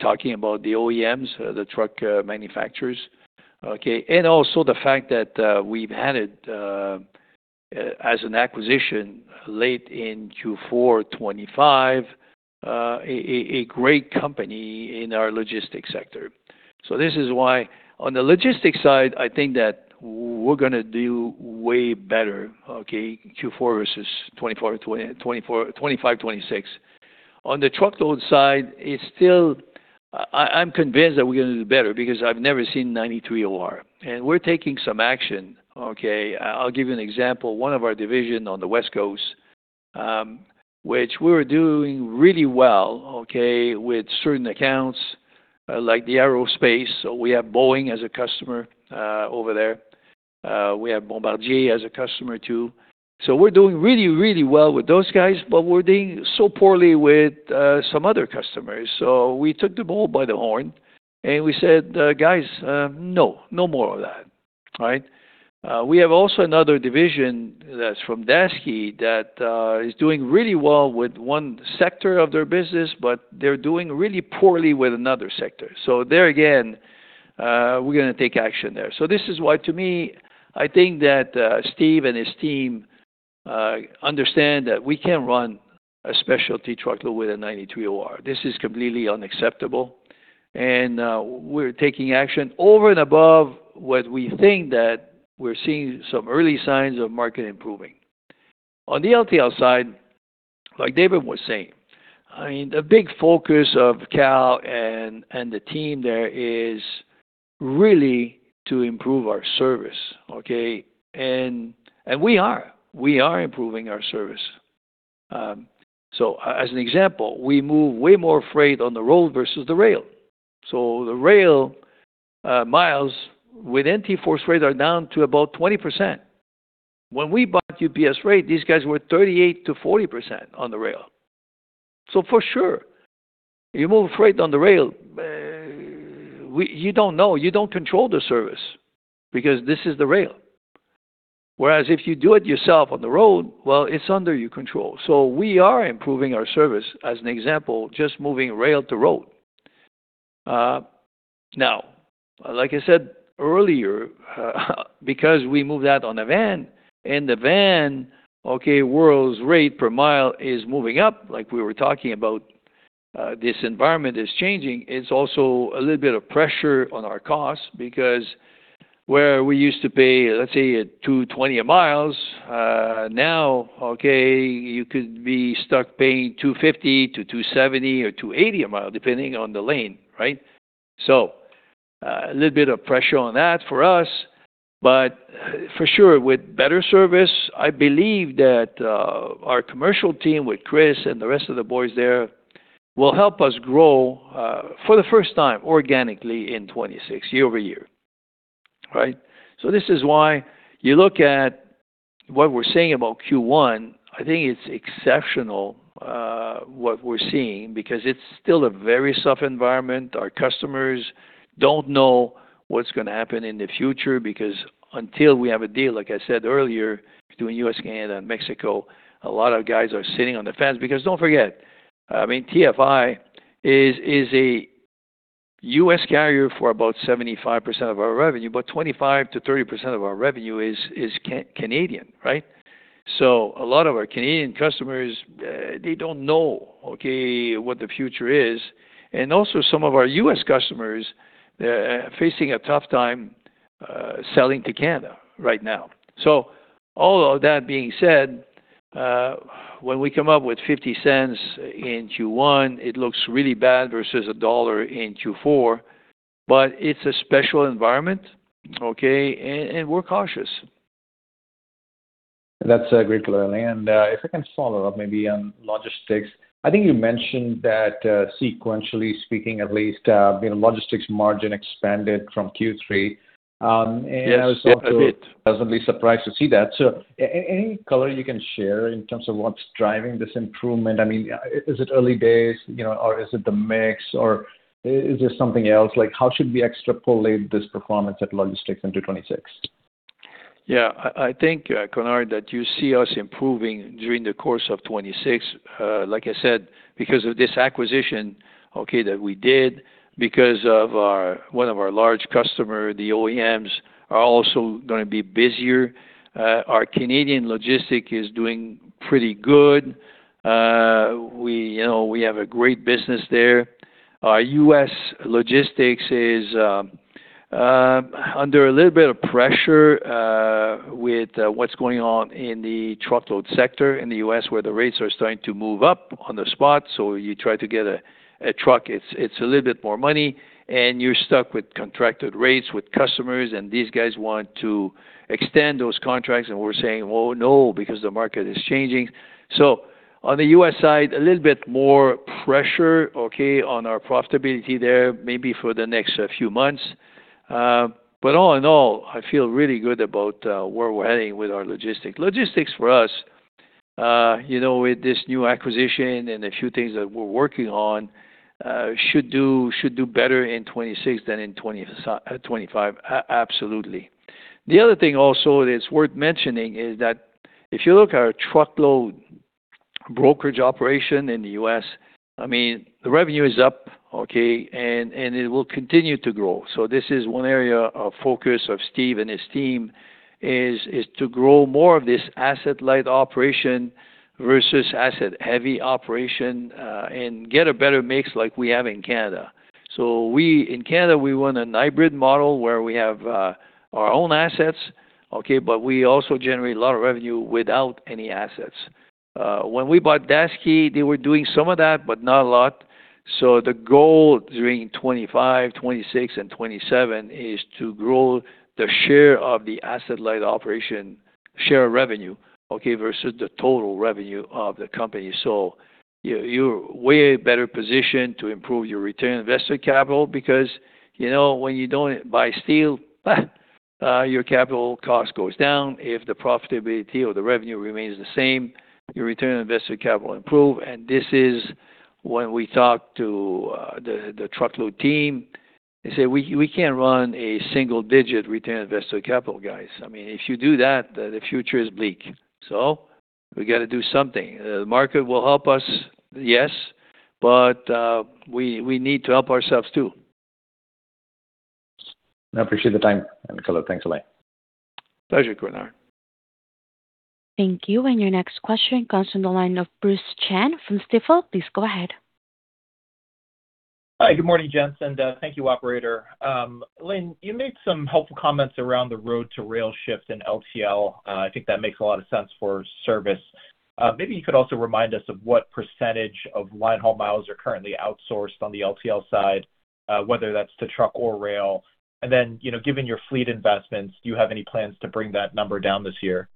Talking about the OEMs, the truck manufacturers, okay? And also the fact that we've added, as an acquisition late in Q4 2025, a great company in our logistics sector. So this is why on the logistics side, I think that we're gonna do way better, okay, Q4 versus 2025, 2026. On the truckload side, it's still, I'm convinced that we're gonna do better because I've never seen 93 OR, and we're taking some action, okay? I'll give you an example. One of our division on the West Coast, which we're doing really well, okay, with certain accounts, like the aerospace. So we have Boeing as a customer, over there. We have Bombardier as a customer, too. So we're doing really, really well with those guys, but we're doing so poorly with some other customers. So we took the bull by the horn, and we said, "Guys, no, no more of that." Right? We have also another division that's from Daseke, that is doing really well with one sector of their business, but they're doing really poorly with another sector. So there again, we're gonna take action there. So this is why, to me, I think that Steve and his team understand that we can't run a specialty truckload with a 93 OR. This is completely unacceptable, and we're taking action over and above what we think that we're seeing some early signs of market improving. On the LTL side, like David was saying, I mean, the big focus of Kal and the team there is really to improve our service, okay? And we are. We are improving our service. So as an example, we move way more freight on the road versus the rail. So the rail miles within TForce Freight are down to about 20%. When we bought UPS Freight, these guys were 38%-40% on the rail. So for sure, you move freight on the rail, you don't know, you don't control the service because this is the rail. Whereas if you do it yourself on the road, well, it's under your control. So we are improving our service as an example, just moving rail to road. Now, like I said earlier, because we move that on a van, and the van, okay, world's rate per mile is moving up, like we were talking about, this environment is changing. It's also a little bit of pressure on our costs because where we used to pay, let's say, $2.20 a mile, now, okay, you could be stuck paying $2.50-$2.70 or $2.80 a mile, depending on the lane, right? So, a little bit of pressure on that for us, but for sure, with better service, I believe that, our commercial team, with Chris and the rest of the boys there, will help us grow, for the first time organically in 2026, year-over-year. Right? So this is why you look at what we're saying about Q1. I think it's exceptional, what we're seeing, because it's still a very tough environment. Our customers don't know what's gonna happen in the future because until we have a deal, like I said earlier, between U.S., Canada, and Mexico, a lot of guys are sitting on the fence. Because don't forget, I mean, TFI is a U.S. carrier for about 75% of our revenue, but 25%-30% of our revenue is Canadian, right? So a lot of our Canadian customers, they don't know, okay, what the future is. And also some of our U.S. customers, they're facing a tough time selling to Canada right now. So all of that being said, when we come up with $0.50 in Q1, it looks really bad versus $1 in Q4, but it's a special environment, okay, and we're cautious. That's a great color. And, if I can follow up maybe on logistics. I think you mentioned that, sequentially speaking, at least logistics margin expanded from Q3. And- Yes, it did. I wasn't surprised to see that. So any color you can share in terms of what's driving this improvement? I mean, is it early days or is it the mix, or is there something else? Like, how should we extrapolate this performance at logistics into 2026? Yeah, I think, Kornak, that you see us improving during the course of 2026. Like I said, because of this acquisition, okay, that we did, because of our one of our large customer, the OEMs, are also gonna be busier. Our Canadian logistics is doing pretty good. we we have a great business there. Our U.S. logistics is under a little bit of pressure with what's going on in the truckload sector in the U.S., where the rates are starting to move up on the spot. So you try to get a truck, it's a little bit more money, and you're stuck with contracted rates with customers, and these guys want to extend those contracts, and we're saying, "Well, no, because the market is changing." So on the U.S. side, a little bit more pressure, okay, on our profitability there, maybe for the next few months. But all in all, I feel really good about where we're heading with our logistics. Logistics for us with this new acquisition and a few things that we're working on, should do better in 2026 than in 2025. Absolutely. The other thing also that's worth mentioning is that if you look at our truckload brokerage operation in the U.S., I mean, the revenue is up, okay, and it will continue to grow. So this is one area of focus of Steve and his team, is to grow more of this asset-light operation versus asset-heavy operation, and get a better mix like we have in Canada. So we, in Canada, we want a hybrid model where we have our own assets, okay, but we also generate a lot of revenue without any assets. When we bought Daseke, they were doing some of that, but not a lot. So the goal during 2025, 2026, and 2027 is to grow the share of the asset-light operation, share of revenue, okay, versus the total revenue of the company. So you, you're way better positioned to improve your return on invested capital because when you don't buy steel, your capital cost goes down. If the profitability or the revenue remains the same, your return on invested capital improve. And this is when we talk to the truckload team. They say, "We can't run a single-digit return on invested capital, guys. I mean, if you do that, the future is bleak." So we got to do something. The market will help us, yes, but we need to help ourselves too. I appreciate the time and color. Thanks a lot. Pleasure, Kornak. Thank you. Your next question comes from the line of Bruce Chan from Stifel. Please go ahead. Hi, good morning, gents, and thank you, operator. Alain, you made some helpful comments around the road to rail shifts in LTL. I think that makes a lot of sense for service. Maybe you could also remind us of what percentage of line haul miles are currently outsourced on the LTL side, whether that's to truck or rail. And then given your fleet investments, do you have any plans to bring that number down this year?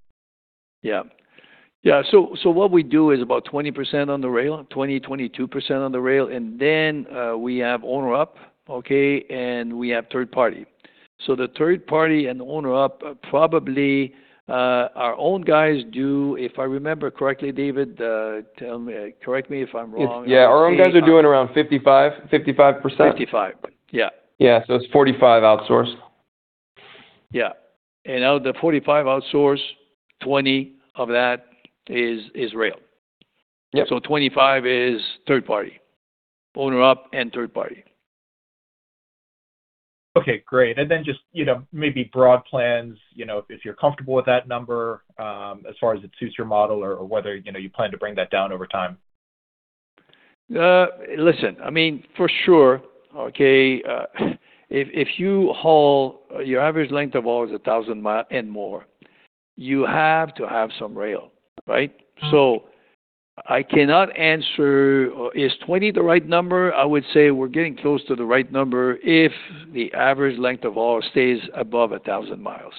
Yeah. Yeah, so what we do is about 20% on the rail, 20, 22% on the rail, and then we have owner op, okay, and we have third party. So the third party and the owner op, probably our own guys do, if I remember correctly, David, tell me, correct me if I'm wrong. Yeah, our own guys are doing around 55, 55%. Fifty-five. Yeah. Yeah, so it's 45 outsourced. Yeah. And out of the 45 outsourced, 20 of that is rail. Yeah. 25 is third party. Owner op and third party. Okay, great. And then just maybe broad plans if you're comfortable with that number, as far as it suits your model or, or whether you plan to bring that down over time. Listen, I mean, for sure, okay, if you haul... Your average length of haul is 1,000 mi and more, you have to have some rail, right? So I cannot answer, is 20 the right number? I would say we're getting close to the right number if the average length of haul stays above 1,000 miles.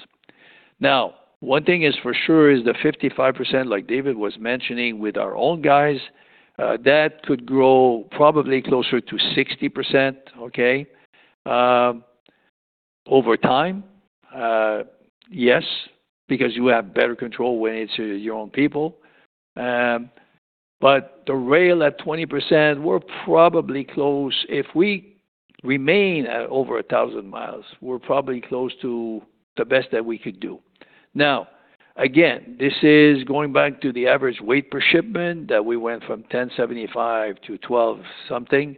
Now, one thing is for sure is the 55%, like David was mentioning with our own guys, that could grow probably closer to 60%, okay, over time. Yes, because you have better control when it's your own people. But the rail at 20%, we're probably close. If we remain at over 1,000 miles, we're probably close to the best that we could do. Now, again, this is going back to the average weight per shipment, that we went from 1,075 to 12 something.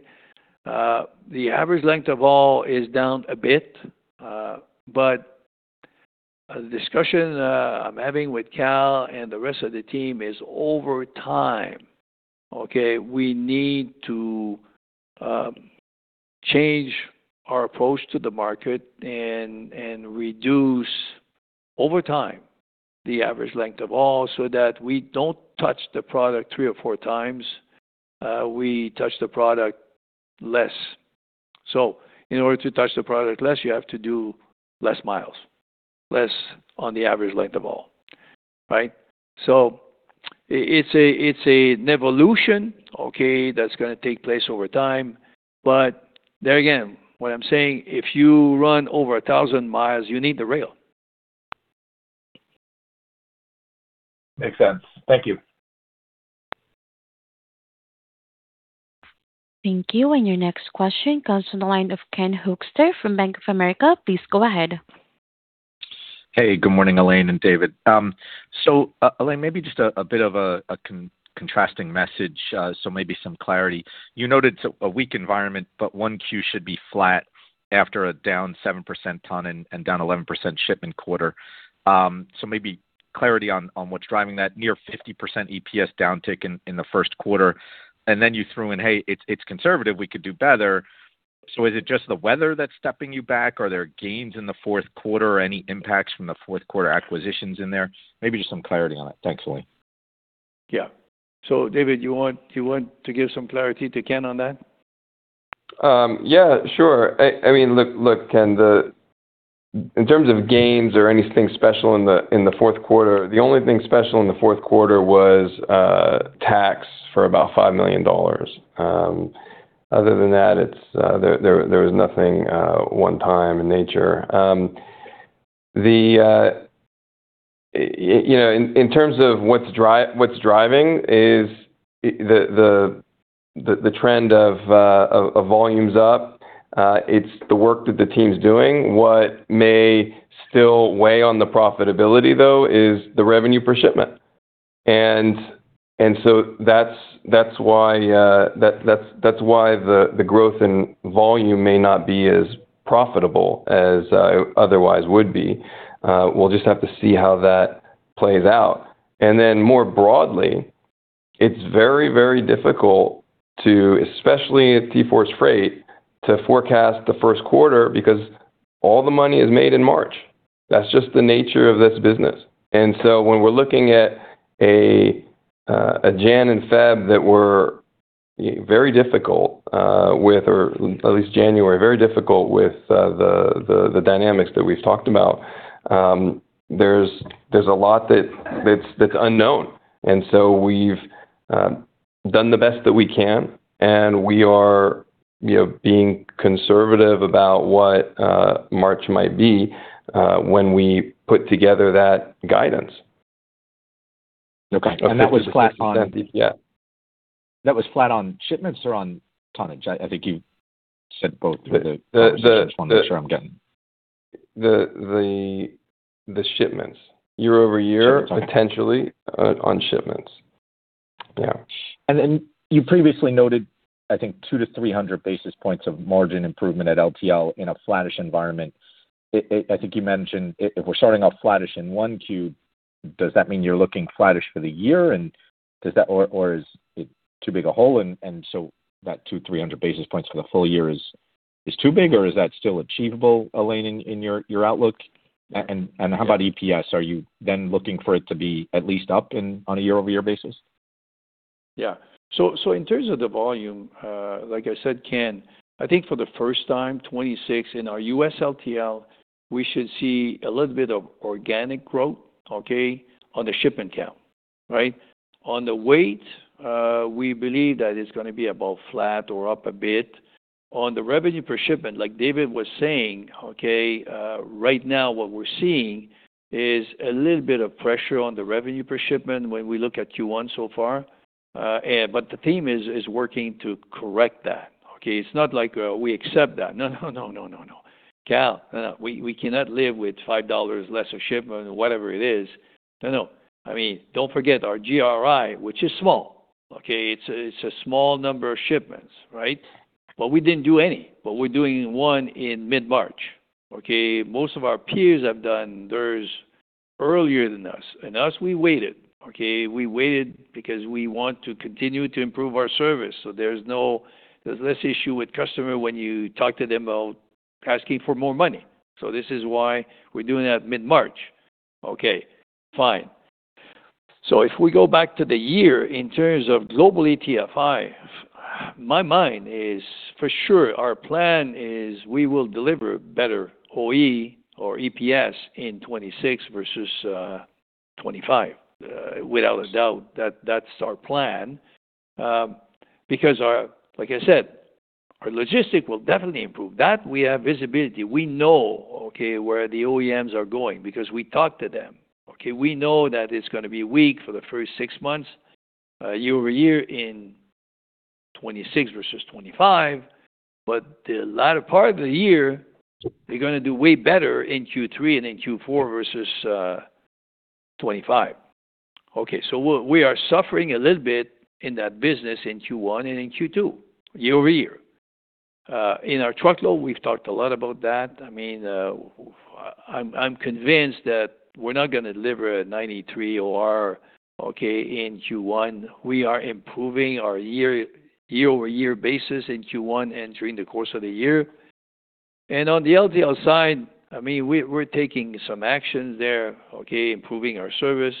The average length of haul is down a bit, but the discussion I'm having with Kal and the rest of the team is over time, okay? We need to change our approach to the market and reduce, over time, the average length of haul so that we don't touch the product three or four times. We touch the product less. So in order to touch the product less, you have to do less miles, less on the average length of haul, right? So it's an evolution, okay, that's gonna take place over time. But there again, what I'm saying, if you run over 1,000 miles, you need the rail. Makes sense. Thank you. Thank you. And your next question comes from the line of Ken Hoexter from Bank of America. Please go ahead. Hey, good morning, Alain and David. So, Alain, maybe just a bit of a contrasting message, so maybe some clarity. You noted a weak environment, but 1Q should be flat after a down 7% ton and down 11% shipment quarter. So maybe clarity on what's driving that near 50% EPS downtick in the first quarter, and then you threw in, "Hey, it's conservative. We could do better." So is it just the weather that's stepping you back, or are there gains in the fourth quarter or any impacts from the fourth quarter acquisitions in there? Maybe just some clarity on it. Thanks, Alain. Yeah. So, David, you want to give some clarity to Ken on that? Yeah, sure. I mean, look, look, Ken, the in terms of gains or anything special in the fourth quarter, the only thing special in the fourth quarter was tax for about $5 million. Other than that, it's there was nothing one time in nature. You know, in terms of what's driving is the trend of volumes up. It's the work that the team's doing. What may still weigh on the profitability, though, is the revenue per shipment. And so that's why the growth in volume may not be as profitable as otherwise would be. We'll just have to see how that plays out. Then, more broadly, it's very, very difficult to, especially in TForce Freight, forecast the first quarter because all the money is made in March. That's just the nature of this business. So when we're looking at a January and February that were very difficult, or at least January very difficult with the dynamics that we've talked about, there's a lot that's unknown. So we've done the best that we can, and we are being conservative about what March might be when we put together that guidance. Okay. That was flat on- Yeah. That was flat on shipments or on tonnage? I think you said both through the- I'm sure I'm getting. The shipments. year-over-year- Shipments. Potentially, on shipments. Yeah. And then you previously noted, I think, 200-300 basis points of margin improvement at LTL in a flattish environment. It, it-- I think you mentioned if, if we're starting off flattish in 1Q, does that mean you're looking flattish for the year, and does that... or, or is it too big a hole, and, and so that 200-300 basis points for the full year is, is too big, or is that still achievable, Alain, in, in your, your outlook? A- and, and how about EPS? Are you then looking for it to be at least up in, on a year-over-year basis? Yeah. So, so in terms of the volume, like I said, Ken, I think for the first time, 26 in our U.S. LTL, we should see a little bit of organic growth, okay, on the shipment count, right? On the weight, we believe that it's gonna be about flat or up a bit. On the revenue per shipment, like David was saying, okay, right now, what we're seeing is a little bit of pressure on the revenue per shipment when we look at Q1 so far, and but the team is working to correct that, okay? It's not like we accept that. No, no, no, no, no, no. Kal, we cannot live with $5 less a shipment or whatever it is. No, no. I mean, don't forget our GRI, which is small, okay? It's a small number of shipments, right? But we didn't do any, but we're doing one in mid-March, okay? Most of our peers have done theirs earlier than us, and us, we waited, okay? We waited because we want to continue to improve our service, so there's no, there's less issue with customer when you talk to them about asking for more money. So this is why we're doing that mid-March. Okay, fine. So if we go back to the year in terms of global TFI, in my mind, for sure our plan is we will deliver better OR or EPS in 2026 versus 2025. Without a doubt, that's our plan. Because our—like I said, our logistics will definitely improve. That we have visibility. We know, okay, where the OEMs are going because we talk to them, okay? We know that it's gonna be weak for the first six months, year-over-year in 2026 versus 2025, but the latter part of the year, we're gonna do way better in Q3 and in Q4 versus 2025. Okay, so we are suffering a little bit in that business in Q1 and in Q2, year-over-year. In our truckload, we've talked a lot about that. I mean, I'm convinced that we're not gonna deliver a 93 OR, okay, in Q1. We are improving our year-over-year basis in Q1 and during the course of the year. And on the LTL side, I mean, we are taking some actions there, okay? Improving our service,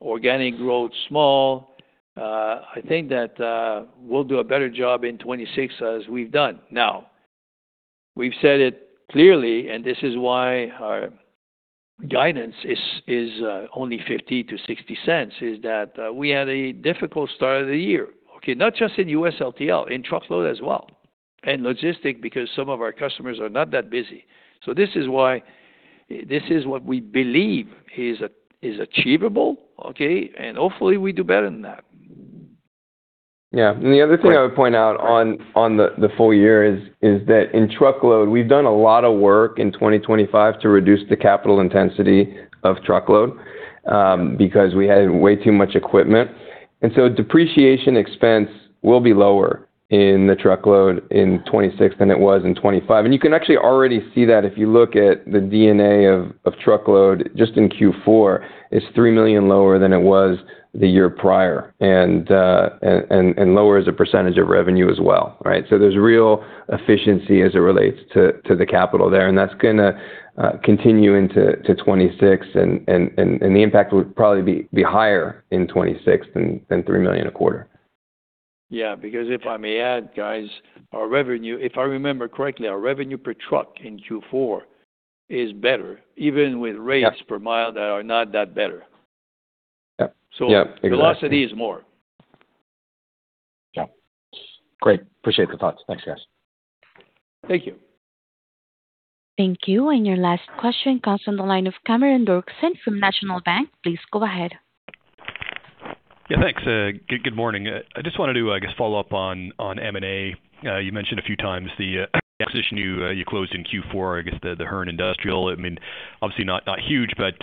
organic growth, small. I think that we'll do a better job in 2026 as we've done. Now, we've said it clearly, and this is why our guidance is only $0.50-$0.60, that we had a difficult start of the year. Okay, not just in U.S. LTL, in truckload as well, and logistics, because some of our customers are not that busy. So this is why, this is what we believe is achievable, okay? And hopefully, we do better than that. Yeah. And the other thing I would point out on the full year is that in truckload, we've done a lot of work in 2025 to reduce the capital intensity of truckload, because we had way too much equipment. And so depreciation expense will be lower in the truckload in 2026 than it was in 2025. And you can actually already see that if you look at the D&A of truckload, just in Q4, it's $3 million lower than it was the year prior, and lower as a percentage of revenue as well, right? So there's real efficiency as it relates to the capital there, and that's gonna continue into 2026, and the impact would probably be higher in 2026 than $3 million a quarter. Yeah, because if I may add, guys, our revenue - if I remember correctly, our revenue per truck in Q4 is better, even with- Yeah rates per mile that are not that better. Yeah. Yeah, exactly. So velocity is more. Yeah. Great. Appreciate the thoughts. Thanks, guys. Thank you. Thank you. Your last question comes from the line of Cameron Doerksen from National Bank. Please go ahead. Yeah, thanks. Good morning. I just wanted to, I guess, follow up on M&A. You mentioned a few times the acquisition you closed in Q4, I guess, the Hearn Industrial. I mean, obviously not huge, but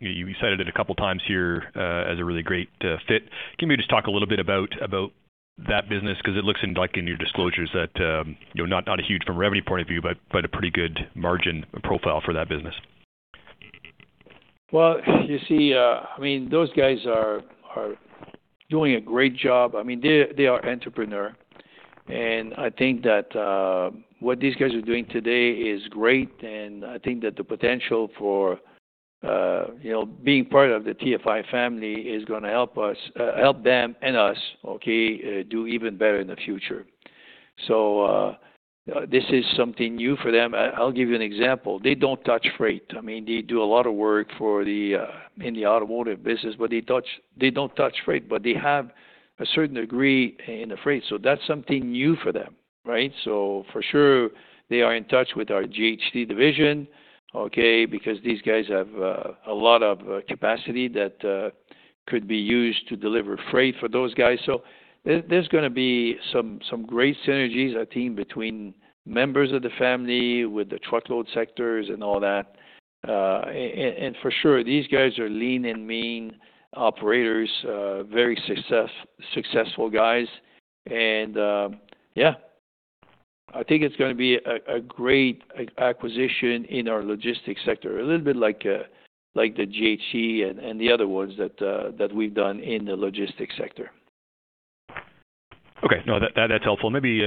you cited it a couple of times here as a really great fit. Can you just talk a little bit about that business? Because it looks like in your disclosures that not a huge from a revenue point of view, but a pretty good margin profile for that business. Well, you see, I mean, those guys are doing a great job. I mean, they are entrepreneur, and I think that what these guys are doing today is great, and I think that the potential for being part of the TFI family is gonna help us help them and us, okay, do even better in the future. So, this is something new for them. I'll give you an example: They don't touch freight. I mean, they do a lot of work for the automotive business, but they don't touch freight, but they have a certain degree in the freight, so that's something new for them, right? So for sure, they are in touch with our JHT division, okay, because these guys have a lot of capacity that could be used to deliver freight for those guys. So there, there's gonna be some great synergies, I think, between members of the family, with the truckload sectors and all that. And for sure, these guys are lean and mean operators, very successful guys, and yeah, I think it's gonna be a great acquisition in our logistics sector. A little bit like the JHT and the other ones that we've done in the logistics sector. Okay. No, that, that's helpful. Maybe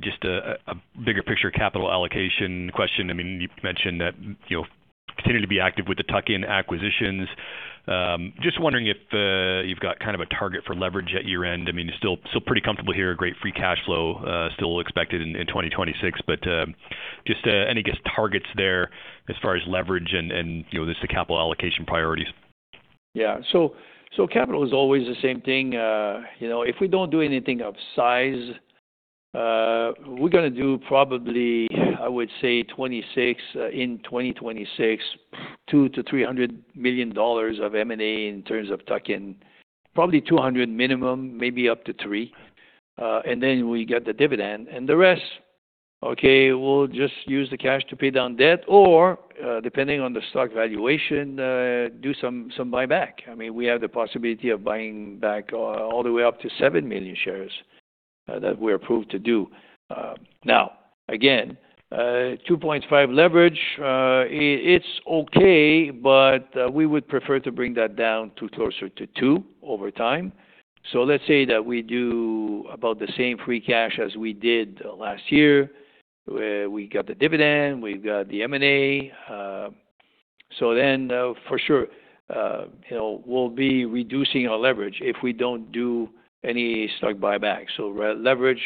just a bigger picture, capital allocation question. I mean continue to be active with the tuck-in acquisitions. Just wondering if you've got kind of a target for leverage at year-end. I mean, still, still pretty comfortable here. Great free cash flow still expected in 2026, but just any guess targets there as far as leverage and, and just the capital allocation priorities. Yeah. So, so capital is always the same thing. You know, if we don't do anything of size, we're gonna do probably, I would say 26, in 2026, $200 million-$300 million of M&A in terms of tuck-in, probably $200 million minimum, maybe up to $300 million. And then we get the dividend, and the rest, okay, we'll just use the cash to pay down debt or, depending on the stock valuation, do some, some buyback. I mean, we have the possibility of buying back, all the way up to 7 million shares, that we're approved to do. Now, again, 2.5 leverage, it's okay, but, we would prefer to bring that down to closer to 2 over time. So let's say that we do about the same free cash as we did last year, we got the dividend, we've got the M&A, so then, for sure we'll be reducing our leverage if we don't do any stock buyback. So re-leverage,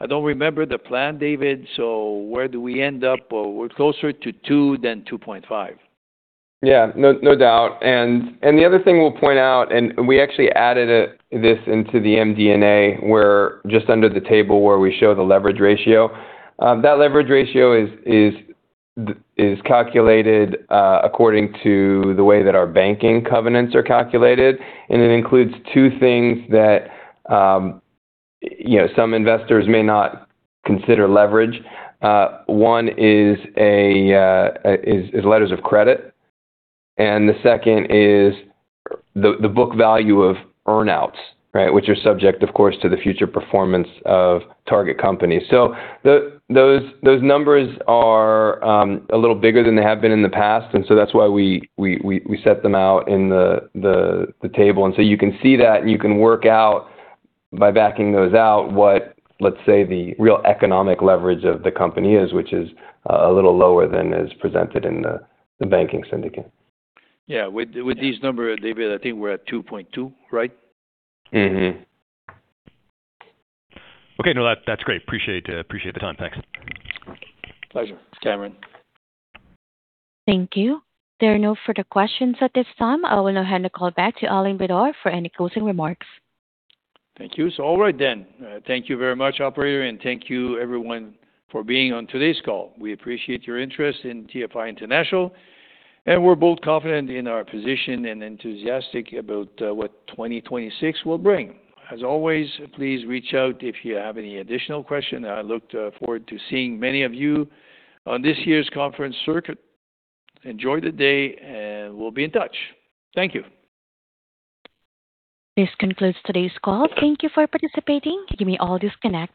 I don't remember the plan, David, so where do we end up? We're closer to 2 than 2.5. Yeah, no, no doubt. And the other thing we'll point out, and we actually added this into the MD&A, where just under the table where we show the leverage ratio. That leverage ratio is calculated according to the way that our banking covenants are calculated, and it includes two things that you know some investors may not consider leverage. One is letters of credit, and the second is the book value of earnouts, right? Which are subject, of course, to the future performance of target companies. So those numbers are a little bigger than they have been in the past, and so that's why we set them out in the table. And so you can see that, and you can work out by backing those out, what, let's say, the real economic leverage of the company is, which is a little lower than is presented in the banking syndicate. Yeah. With these numbers, David, I think we're at 2.2, right? Okay. No, that's great. Appreciate, appreciate the time. Thanks. Pleasure, Cameron. Thank you. There are no further questions at this time. I will now hand the call back to Alain Bédard for any closing remarks. Thank you. So all right then, thank you very much, operator, and thank you everyone for being on today's call. We appreciate your interest in TFI International, and we're both confident in our position and enthusiastic about what 2026 will bring. As always, please reach out if you have any additional questions. I look forward to seeing many of you on this year's conference circuit. Enjoy the day, and we'll be in touch. Thank you. This concludes today's call. Thank you for participating. You may all disconnect.